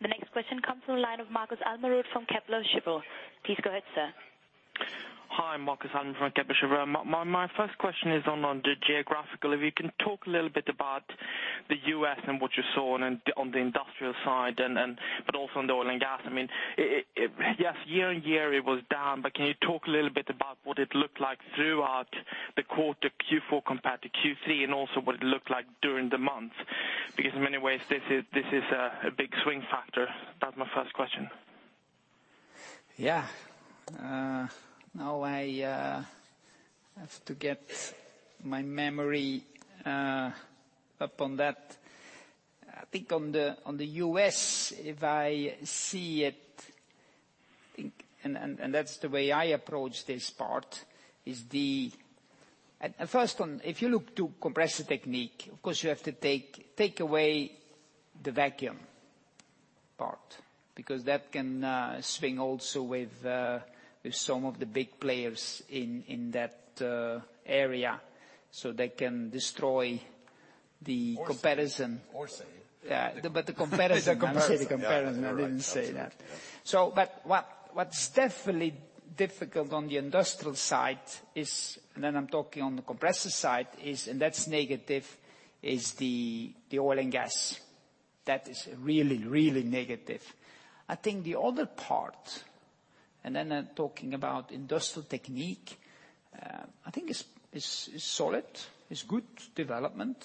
The next question comes from the line of Markus Almerud from Kepler Cheuvreux. Please go ahead, sir. Hi, Markus Almerud from Kepler Cheuvreux. My first question is on the geographical. If you can talk a little bit about the U.S. and what you saw on the industrial side, but also on the oil and gas. Yes, year-on-year it was down, but can you talk a little bit about what it looked like throughout the quarter, Q4 compared to Q3, and also what it looked like during the months? In many ways, this is a big swing factor. That's my first question. Yeah. Now I have to get my memory up on that. I think on the U.S., if I see it, and that's the way I approach this part is the First one, if you look to Compressor Technique, of course you have to take away the vacuum part, because that can swing also with some of the big players in that area, so they can destroy the comparison. Save. Yeah. The comparison. Save. Yeah. I say the comparison. I didn't say that. Yeah, you're right. Absolutely, yeah. What's definitely difficult on the industrial side is, and then I'm talking on the compressor side is, and that's negative, is the oil and gas. That is really negative. I think the other part, and then I'm talking about Industrial Technique, I think is solid, is good development.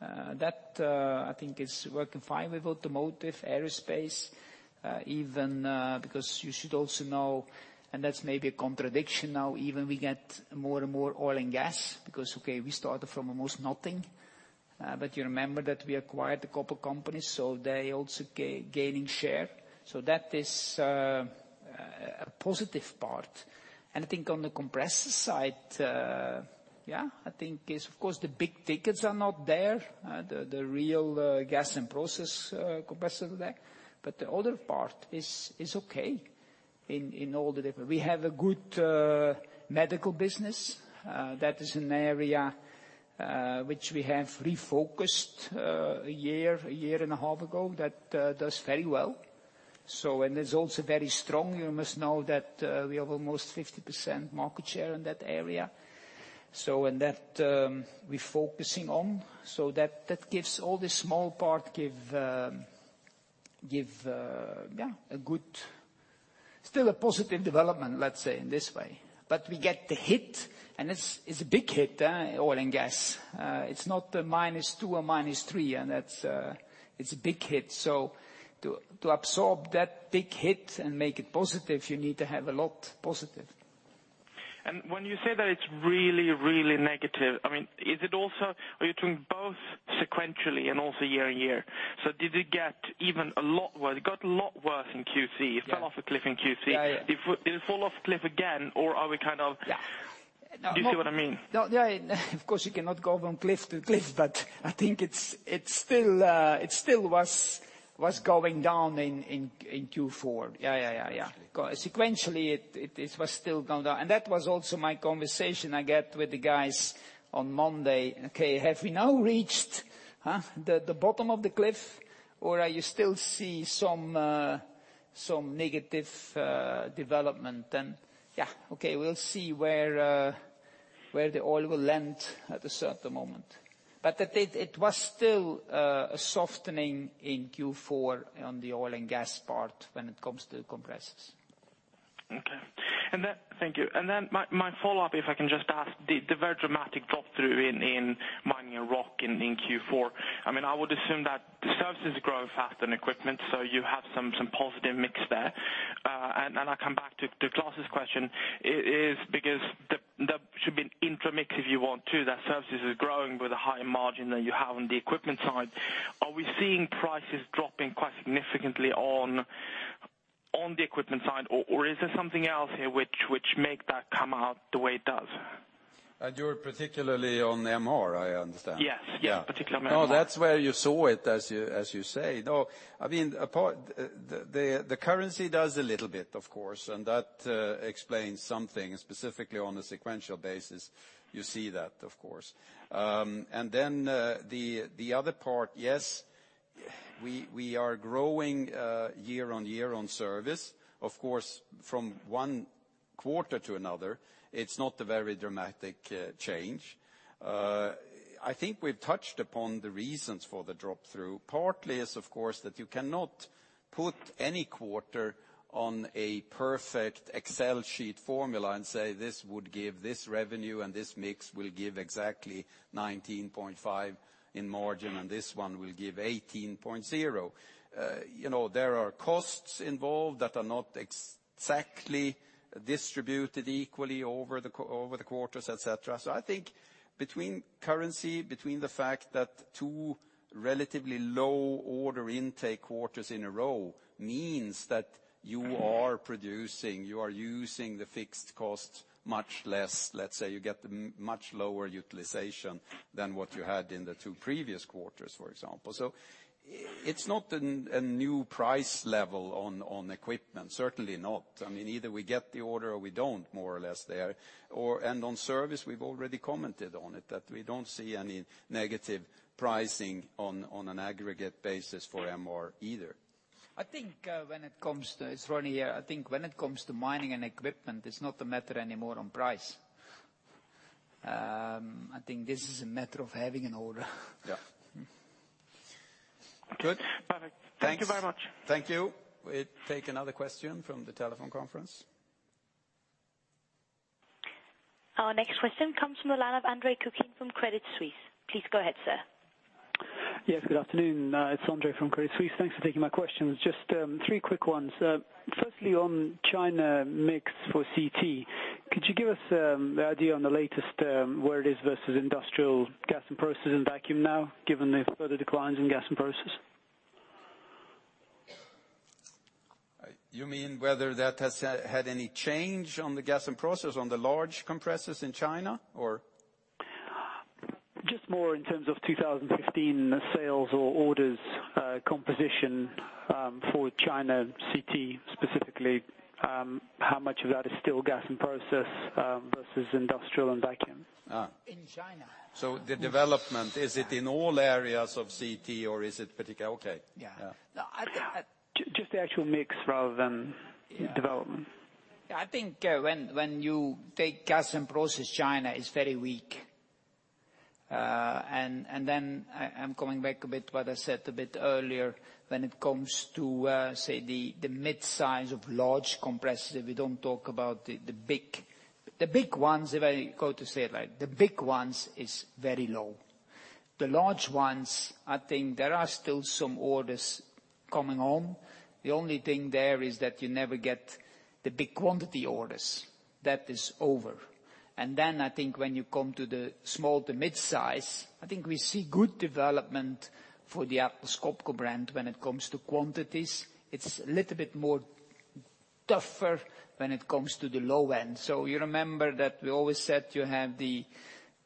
That I think is working fine with automotive, aerospace, even because you should also know, and that's maybe a contradiction now, even we get more and more oil and gas because, okay, we started from almost nothing. You remember that we acquired a couple companies, so they also gaining share. That is a positive part. I think on the compressor side, yeah, I think it's, of course, the big tickets are not there, the real gas and process compressor there. The other part is okay in all the different. We have a good medical business. That is an area which we have refocused a year, a year and a half ago, that does very well. It's also very strong. You must know that we have almost 50% market share in that area. In that, we're focusing on, that gives all the small part give, yeah, a good, still a positive development, let's say, in this way. We get the hit, and it's a big hit, oil and gas. It's not a -2 or -3, and it's a big hit. To absorb that big hit and make it positive, you need to have a lot positive. When you say that it's really negative, are you doing both sequentially and also year-on-year? Did it get even a lot worse? It got a lot worse in Q3. Yeah. It fell off a cliff in Q3. Yeah. Did it fall off a cliff again, or are we kind of? Yeah Do you see what I mean? Yeah. Of course, you cannot go from cliff to cliff, but I think it still was going down in Q4. Yeah. Okay. Sequentially, it was still going down. That was also my conversation I get with the guys on Monday. Okay, have we now reached the bottom of the cliff, or are you still see some negative development then? Yeah. Okay. We'll see where the oil will land at a certain moment, but it was still a softening in Q4 on the oil and gas part when it comes to compressors. Okay. Thank you. My follow-up, if I can just ask the very dramatic drop through in Mining and Rock in Q4. I would assume that services grow faster than equipment, so you have some positive mix there. I come back to Klas's question, is because there should be an intra mix, if you want to, that services is growing with a higher margin than you have on the equipment side. Are we seeing prices dropping quite significantly on the equipment side, or is there something else here which make that come out the way it does? You're particularly on MR, I understand. Yes. Particularly on MR. That's where you saw it, as you say. The currency does a little bit, of course, that explains something specifically on a sequential basis. You see that, of course. The other part, yes, we are growing year-on-year on service. Of course, from one quarter-to-another, it's not a very dramatic change. I think we've touched upon the reasons for the drop through. Partly is, of course, that you cannot put any quarter on a perfect Excel sheet formula and say, "This would give this revenue, and this mix will give exactly 19.5 in margin, and this one will give 18.0." There are costs involved that are not exactly distributed equally over the quarters, et cetera. I think between currency, between the fact that two relatively low order intake quarters in a row means that you are producing, you are using the fixed cost much less, let's say you get much lower utilization than what you had in the two previous quarters, for example. It's not a new price level on equipment. Certainly not. Either we get the order or we don't, more or less there. On service, we've already commented on it, that we don't see any negative pricing on an aggregate basis for MR either. It's Ronnie here. I think when it comes to mining and equipment, it's not a matter anymore on price. I think this is a matter of having an order. Yeah. Good. Perfect. Thanks. Thank you very much. Thank you. We'll take another question from the telephone conference. Our next question comes from the line of Andre Kukhnin from Credit Suisse. Please go ahead, sir. Yes, good afternoon. It's Andre from Credit Suisse. Thanks for taking my questions. Just three quick ones. Firstly, on China mix for CT, could you give us the idea on the latest, where it is versus industrial gas and process and vacuum now, given the further declines in gas and process? You mean whether that has had any change on the gas and process on the large compressors in China, or? Just more in terms of 2015 sales or orders, composition for China CT, specifically, how much of that is still gas and process versus industrial and vacuum? In China. The development, is it in all areas of CT, or is it? Okay. Yeah. No, Just the actual mix rather than development. Yeah. I think when you take gas and process, China is very weak. Then I'm coming back a bit what I said a bit earlier when it comes to, say the mid-size of large compressors. If we don't talk about the big ones, if I go to say it like the big ones is very low. The large ones, I think there are still some orders coming on. The only thing there is that you never get the big quantity orders. That is over. Then I think when you come to the small to mid-size, I think we see good development for the Atlas Copco brand when it comes to quantities. It's a little bit more tougher when it comes to the low end. So you remember that we always said you have the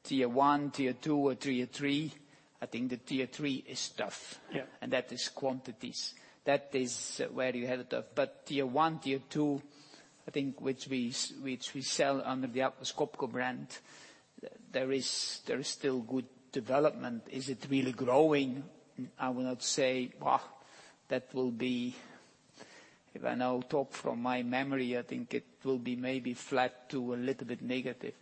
tier 1, tier 2, or tier 3. I think the tier 3 is tough. Yeah. That is quantities. That is where you have it tough. Tier 1, tier 2, I think, which we sell under the Atlas Copco brand, there is still good development. Is it really growing? I will not say. If I now talk from my memory, I think it will be maybe flat to a little bit negative.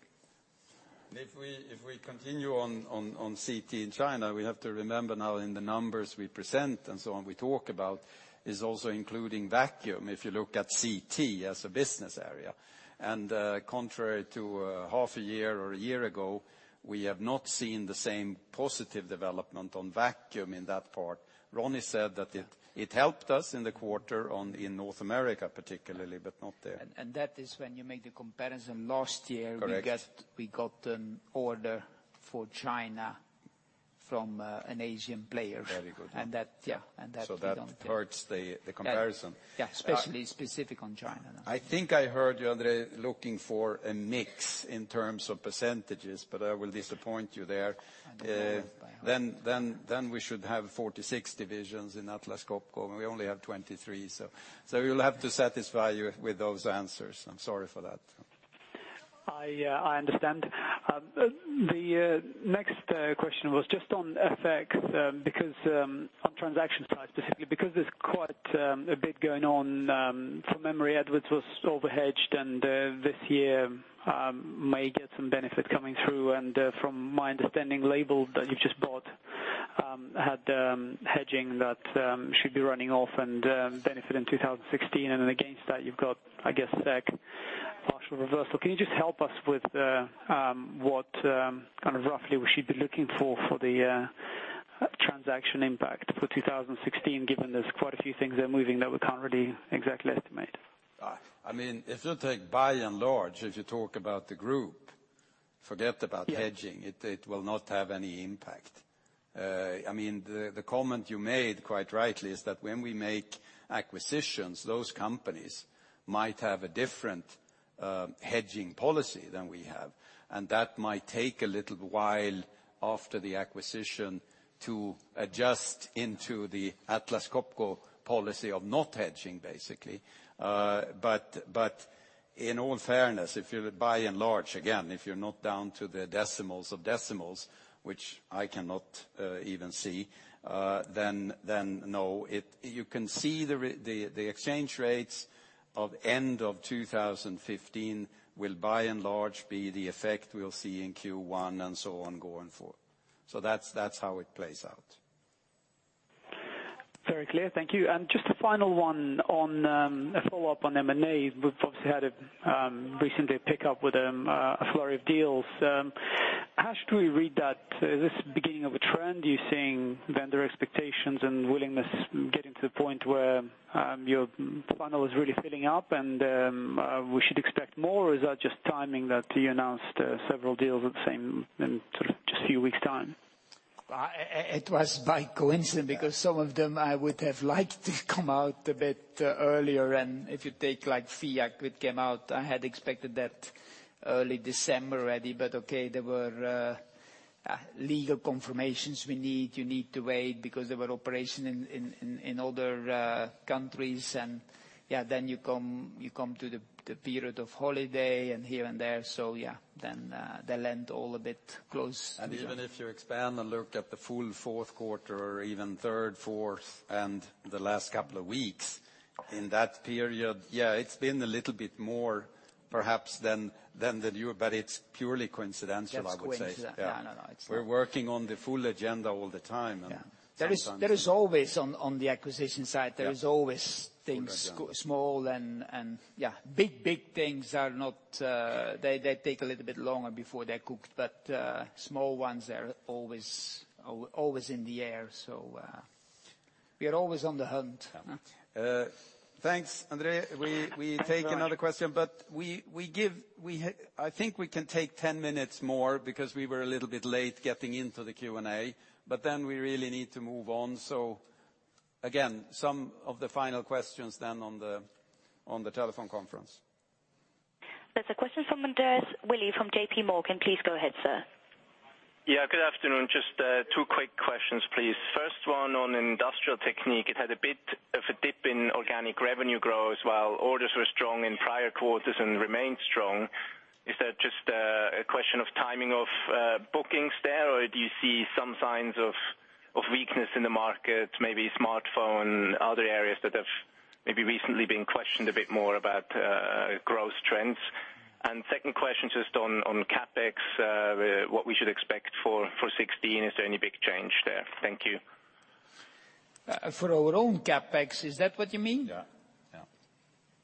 If we continue on CT in China, we have to remember now in the numbers we present and so on we talk about is also including vacuum, if you look at CT as a business area. Contrary to half a year or a year ago, we have not seen the same positive development on vacuum in that part. Ronnie said that it helped us in the quarter in North America, particularly, but not there. That is when you make the comparison last year. Correct We got an order for China from an Asian player. Very good. That, yeah. That hurts the comparison. Especially specific on China. I think I heard you, Andre, looking for a mix in terms of percentages, but I will disappoint you there. We should have 46 divisions in Atlas Copco, and we only have 23. You'll have to satisfy you with those answers. I'm sorry for that. I understand. The next question was just on FX, on transaction side specifically, because there's quite a bit going on. From memory, Edwards was over-hedged, and this year may get some benefit coming through and from my understanding, Leybold that you've just bought had hedging that should be running off and benefit in 2016. Against that, you've got, I guess, SEK partial reversal. Can you just help us with what roughly we should be looking for the transaction impact for 2016, given there's quite a few things there moving that we can't really exactly estimate? It's not like by and large, if you talk about the group, forget about hedging. Yeah. It will not have any impact. The comment you made, quite rightly, is that when we make acquisitions, those companies might have a different hedging policy than we have. That might take a little while after the acquisition to adjust into the Atlas Copco policy of not hedging, basically. In all fairness, if you by and large, again, if you're not down to the decimals of decimals, which I cannot even see, then no, you can see the exchange rates of end of 2015 will by and large be the effect we'll see in Q1 and so on, going forward. That's how it plays out. Very clear. Thank you. Just a final one on, a follow-up on M&A. We've obviously had a recent pick-up with a flurry of deals. How should we read that? Is this the beginning of a trend? Are you seeing vendor expectations and willingness getting to the point where your funnel is really filling up, and we should expect more? Or is that just timing that you announced several deals at the same, sort of just a few weeks' time? It was by coincidence because some of them I would have liked to come out a bit earlier, if you take like FIAC, which came out, I had expected that early December already, but okay, there were legal confirmations we need. You need to wait because there were operation in other countries and yeah, then you come to the period of holiday and here and there. Yeah. They lend all a bit close together. Even if you expand and looked at the full fourth quarter or even third, fourth, and the last couple of weeks, in that period, yeah, it's been a little bit more perhaps than the year, but it's purely coincidental, I would say. That's coincidental. No. We're working on the full agenda all the time, and sometimes. There is always, on the acquisition side. Yeah there is always things Full agenda small and yeah, big things are not, they take a little bit longer before they're cooked. Small ones are always in the air, we are always on the hunt. Yeah. Thanks, Andre. We take another question, I think we can take 10 minutes more because we were a little bit late getting into the Q&A, we really need to move on. Again, some of the final questions then on the telephone conference. There's a question from Andreas Willi from JP Morgan. Please go ahead, sir. Yeah. Good afternoon. Just two quick questions, please. First one on Industrial Technique. It had a bit of a dip in organic revenue growth while orders were strong in prior quarters and remain strong. Is that just a question of timing of bookings there, or do you see some signs of weakness in the market, maybe smartphone, other areas that have maybe recently been questioned a bit more about growth trends? Second question, just on CapEx, what we should expect for 2016. Is there any big change there? Thank you. For our own CapEx, is that what you mean? Yeah.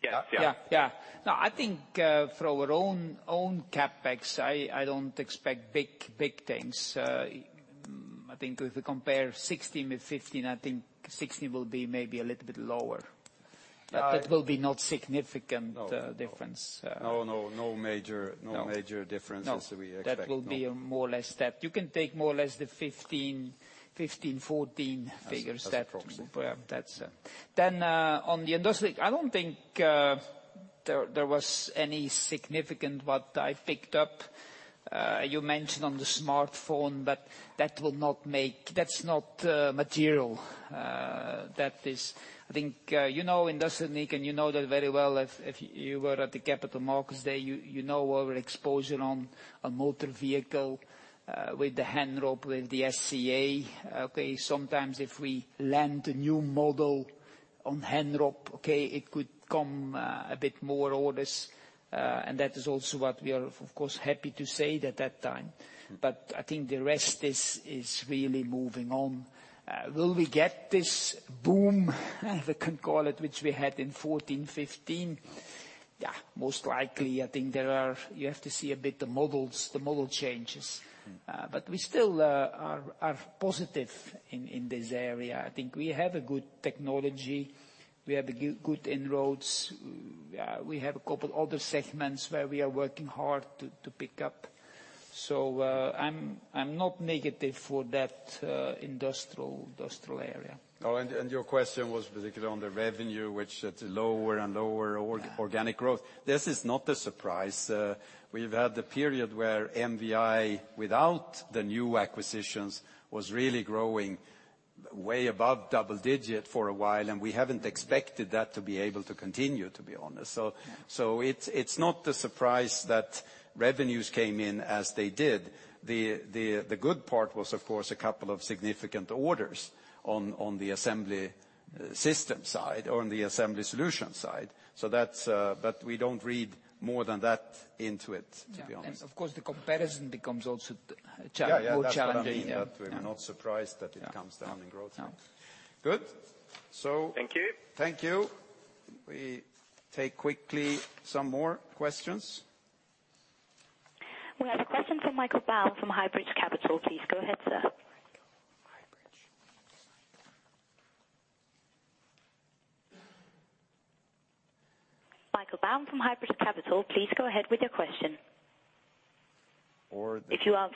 Yeah. Yeah. No, I think for our own CapEx, I don't expect big things. I think if we compare 2016 with 2015, I think 2016 will be maybe a little bit lower. All right. It will be not significant difference. No. No major differences. No We expect. No. That will be a more or less that. You can take more or less the 2015, 2014 figures. As approximate That's it. On the Industrial. I don't think there was any significant what I picked up. You mentioned on the smartphone, but that's not material. I think you know Industrial Technique, and you know that very well if you were at the Capital Markets Day, you know our exposure on Motor Vehicle, with the Henrob, with the SCA. Okay. Sometimes if we land a new model on Henrob, okay, it could come a bit more orders. That is also what we are, of course, happy to say at that time. I think the rest is really moving on. Will we get this boom, if I can call it, which we had in 2014, 2015? Yeah, most likely. I think you have to see a bit the models, the model changes. We still are positive in this area. I think we have a good technology. We have a good inroads. We have a couple other segments where we are working hard to pick up. I'm not negative for that industrial area. Your question was particularly on the revenue, which at lower and lower organic growth. This is not a surprise. We've had the period where MVI, without the new acquisitions, was really growing way above double-digit for a while, and we haven't expected that to be able to continue, to be honest. It's not a surprise that revenues came in as they did. The good part was, of course, a couple of significant orders on the assembly system side or on the assembly solution side. We don't read more than that into it, to be honest. Of course, the comparison becomes also more challenging. We're not surprised that it comes down in growth. Yeah. Good. Thank you. Thank you. We take quickly some more questions. We have a question from Michael Baum from Highbridge Capital. Please go ahead, sir. Michael Baum from Highbridge Capital, please go ahead with your question. Or the- If he's off.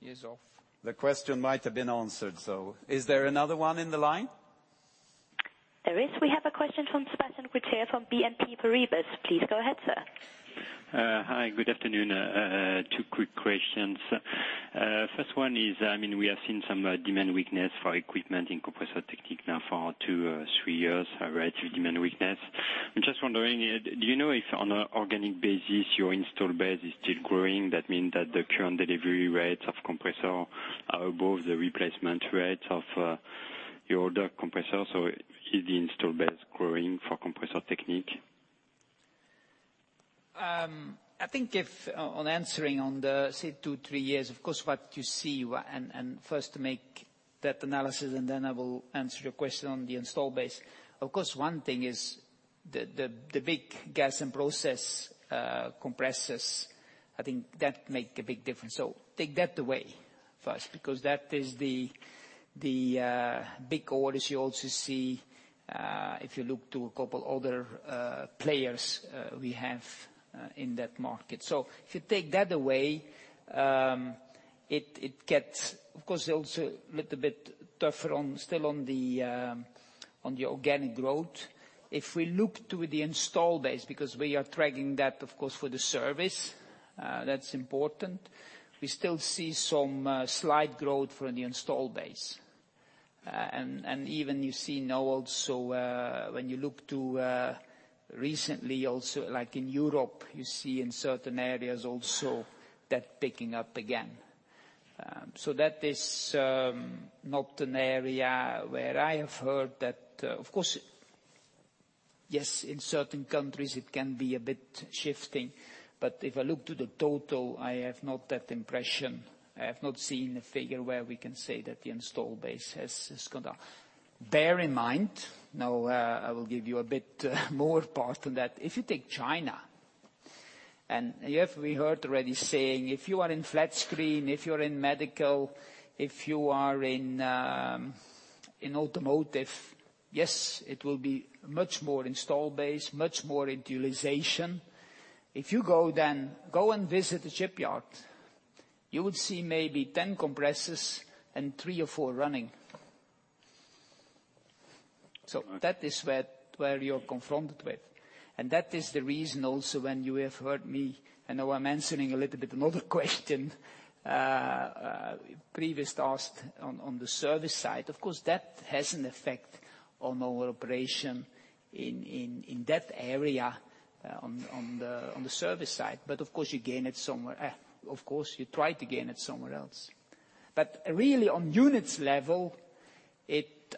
He's off. The question might have been answered, so is there another one in the line? There is. We have a question from Sebastian Kuenne from BNP Paribas. Please go ahead, sir. Hi, good afternoon. Two quick questions. First one is, we have seen some demand weakness for equipment in Compressor Technique now for two, three years, relative demand weakness. I'm just wondering, do you know if on an organic basis, your install base is still growing? That mean that the current delivery rates of compressor are above the replacement rates of your older compressor, so is the install base growing for Compressor Technique? I think if on answering on the, say, two, three years, of course, what you see. First make that analysis, then I will answer your question on the install base. Of course, one thing is the big gas and process compressors, I think that make a big difference. Take that away first, because that is the big orders you also see, if you look to a couple other players we have in that market. If you take that away, it gets, of course, also a little bit tougher still on the organic growth. If we look to the install base, because we are tracking that, of course, for the service, that's important. We still see some slight growth from the install base. Even you see now also when you look to recently also like in Europe, you see in certain areas also that picking up again. That is not an area where I have heard that. Of course, yes, in certain countries it can be a bit shifting, but if I look to the total, I have not that impression. I have not seen a figure where we can say that the install base has gone down. Bear in mind, now I will give you a bit more part on that. If you take China, we heard already saying, if you are in flat screen, if you're in medical, if you are in automotive, yes, it will be much more install base, much more utilization. If you go then, go and visit a shipyard. You would see maybe 10 compressors and three or four running. Right. That is where you're confronted with. That is the reason also when you have heard me, I know I'm answering a little bit another question, previously asked on the service side. Of course, that has an effect on our operation in that area, on the service side. Of course, you try to gain it somewhere else. Really on units level,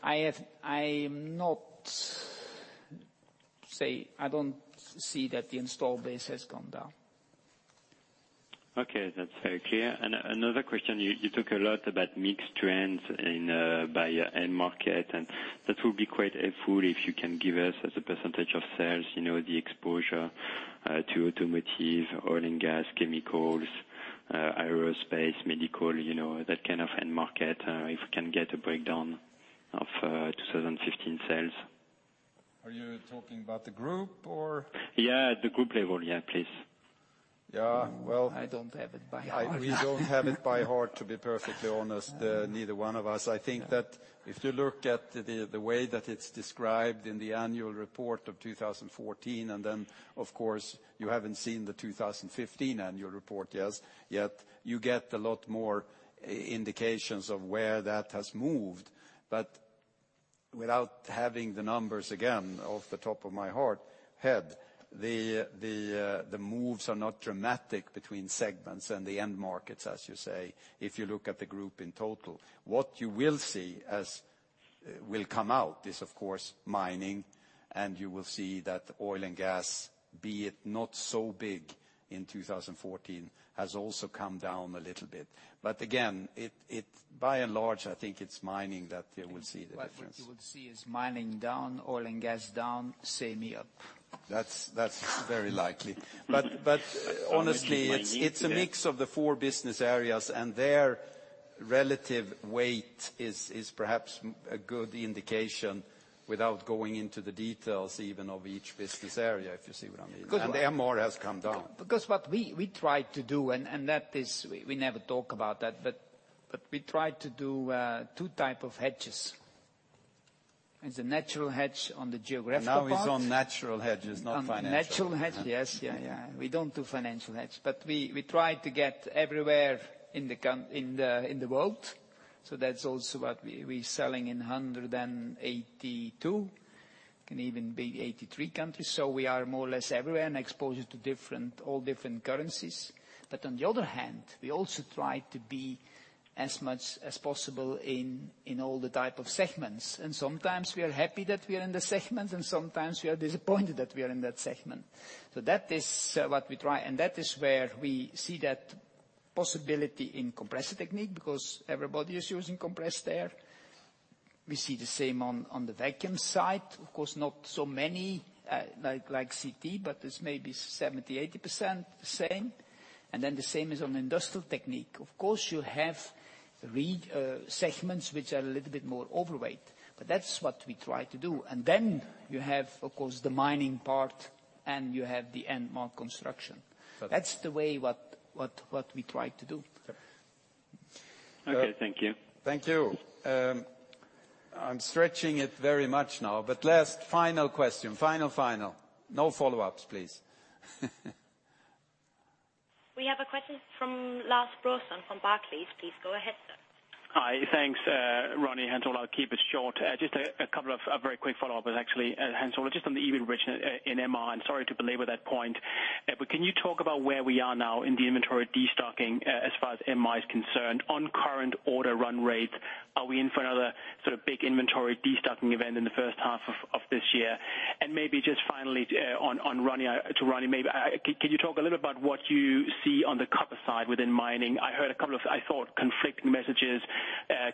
I don't see that the install base has gone down. Okay, that's very clear. Another question, you talk a lot about mixed trends by end market, and that will be quite helpful if you can give us as a % of sales, the exposure to automotive, oil and gas, chemicals, aerospace, medical, that kind of end market, if we can get a breakdown of 2015 sales. Are you talking about the group or? Yeah, at the group level. Yeah, please. Yeah. I don't have it by heart. We don't have it by heart, to be perfectly honest, neither one of us. I think that if you look at the way that it's described in the annual report of 2014, and then, of course, you haven't seen the 2015 annual report yet. You get a lot more indications of where that has moved. Without having the numbers, again, off the top of my head, the moves are not dramatic between segments and the end markets, as you say, if you look at the group in total. What you will see as will come out is, of course, mining, and you will see that oil and gas, be it not so big in 2014, has also come down a little bit. Again, by and large, I think it's mining that you will see the difference. What you would see is mining down, oil and gas down, semi up. That's very likely. Honestly. Mining, yeah It's a mix of the 4 business areas, and their relative weight is perhaps a good indication without going into the details even of each business area, if you see what I mean. MR has come down. What we try to do, and we never talk about that, we try to do 2 type of hedges. It's a natural hedge on the geographic part. It's on natural hedges, not financial. Natural hedge, yes. We don't do financial hedge. We try to get everywhere in the world. That's also what we're selling in 182, can even be 183 countries. We are more or less everywhere and exposed to all different currencies. On the other hand, we also try to be as much as possible in all the type of segments. Sometimes we are happy that we are in the segment, and sometimes we are disappointed that we are in that segment. That is what we try, and that is where we see that possibility in Compressor Technique, because everybody is using compressed air. We see the same on the vacuum side, of course, not so many like CT, but it's maybe 70%-80% the same. The same is on Industrial Technique. Of course, you have segments which are a little bit more overweight. That's what we try to do. You have, of course, the mining part, and you have the MR construction. That's the way what we try to do. Okay. Thank you. Thank you. I'm stretching it very much now, last, final question. Final. No follow-ups, please. We have a question from Lars Brorson from Barclays. Please go ahead, sir. Hi. Thanks, Ronnie, Hans Ola. I'll keep it short. Just a couple of very quick follow-ups actually, Hans Ola. Just on the inventory in MR, sorry to belabor that point. Can you talk about where we are now in the inventory destocking, as far as MR is concerned? On current order run rates, are we in for another sort of big inventory destocking event in the first half of this year? Maybe just finally, to Ronnie, maybe can you talk a little about what you see on the copper side within mining? I heard a couple of, I thought, conflicting messages.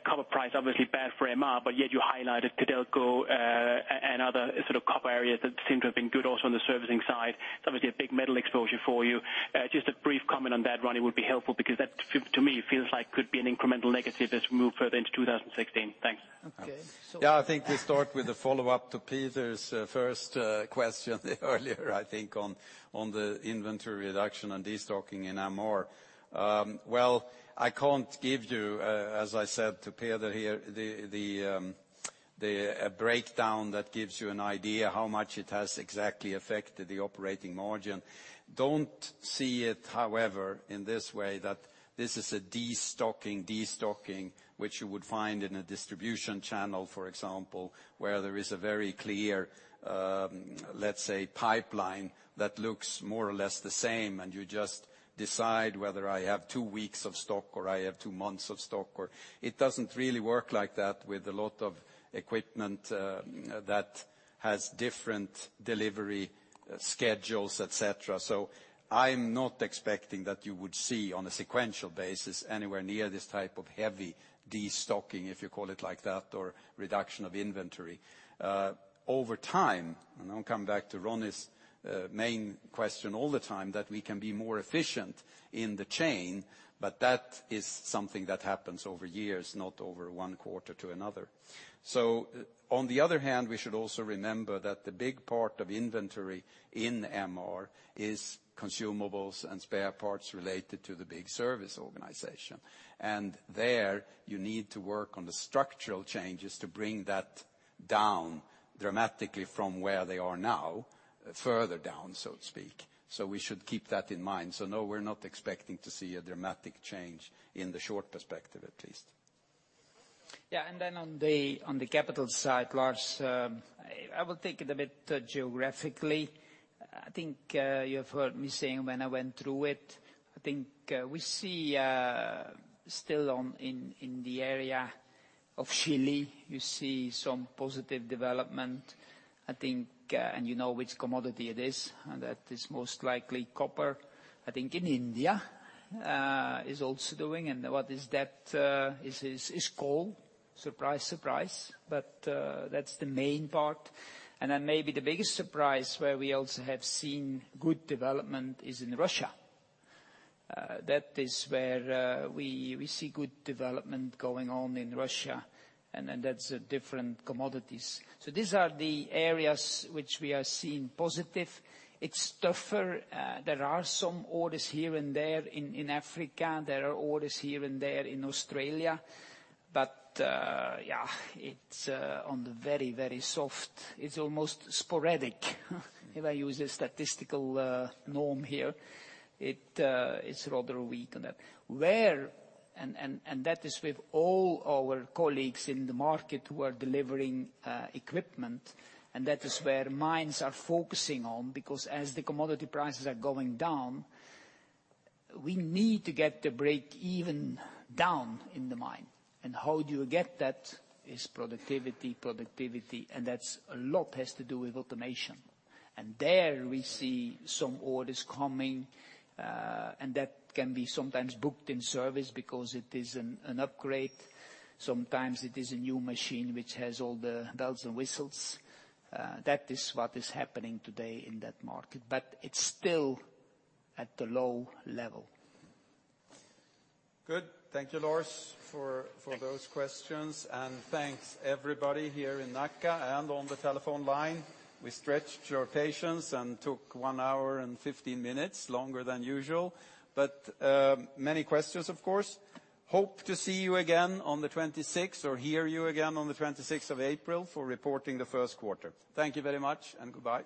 Copper price obviously bad for MR, yet you highlighted Codelco, and other sort of copper areas that seem to have been good also on the servicing side. It's obviously a big metal exposure for you. Just a brief comment on that, Ronnie, would be helpful because that to me feels like could be an incremental negative as we move further into 2016. Thanks. Okay. Yeah, I think to start with the follow-up to Peder's first question earlier, I think on the inventory reduction and destocking in MR. Well, I can't give you, as I said to Peter here, the breakdown that gives you an idea how much it has exactly affected the operating margin. Don't see it, however, in this way that this is a destocking, which you would find in a distribution channel, for example, where there is a very clear, let's say, pipeline that looks more or less the same, and you just decide whether I have two weeks of stock or I have two months of stock or It doesn't really work like that with a lot of equipment that has different delivery schedules, et cetera. I'm not expecting that you would see on a sequential basis anywhere near this type of heavy destocking, if you call it like that, or reduction of inventory. Over time, and I'll come back to Ronnie's main question all the time, that we can be more efficient in the chain, but that is something that happens over years, not over one quarter to another. On the other hand, we should also remember that the big part of inventory in MR is consumables and spare parts related to the big service organization. There you need to work on the structural changes to bring that down dramatically from where they are now, further down, so to speak. We should keep that in mind. No, we're not expecting to see a dramatic change in the short perspective, at least. Yeah, on the capital side, Lars, I will take it a bit geographically. I think you have heard me saying when I went through it, I think we see still in the area of Chile, you see some positive development, I think, and you know which commodity it is, and that is most likely copper. I think in India is also doing, and what is that is coal. Surprise, surprise. That's the main part. Then maybe the biggest surprise where we also have seen good development is in Russia. That is where we see good development going on in Russia, and that's different commodities. These are the areas which we are seeing positive. It's tougher. There are some orders here and there in Africa. There are orders here and there in Australia. Yeah, it's on the very, very soft. It's almost sporadic if I use a statistical norm here. It's rather weak on that. Where, that is with all our colleagues in the market who are delivering equipment, and that is where mines are focusing on, because as the commodity prices are going down, we need to get the break even down in the mine. How do you get that is productivity, and that a lot has to do with automation. There we see some orders coming, and that can be sometimes booked in service because it is an upgrade. Sometimes it is a new machine which has all the bells and whistles. That is what is happening today in that market. It's still at the low level. Good. Thank you, Lars. Thanks those questions. Thanks everybody here in Nacka and on the telephone line. We stretched your patience and took one hour and 15 minutes, longer than usual. Many questions, of course. Hope to see you again on the 26th, or hear you again on the 26th of April for reporting the first quarter. Thank you very much, and goodbye.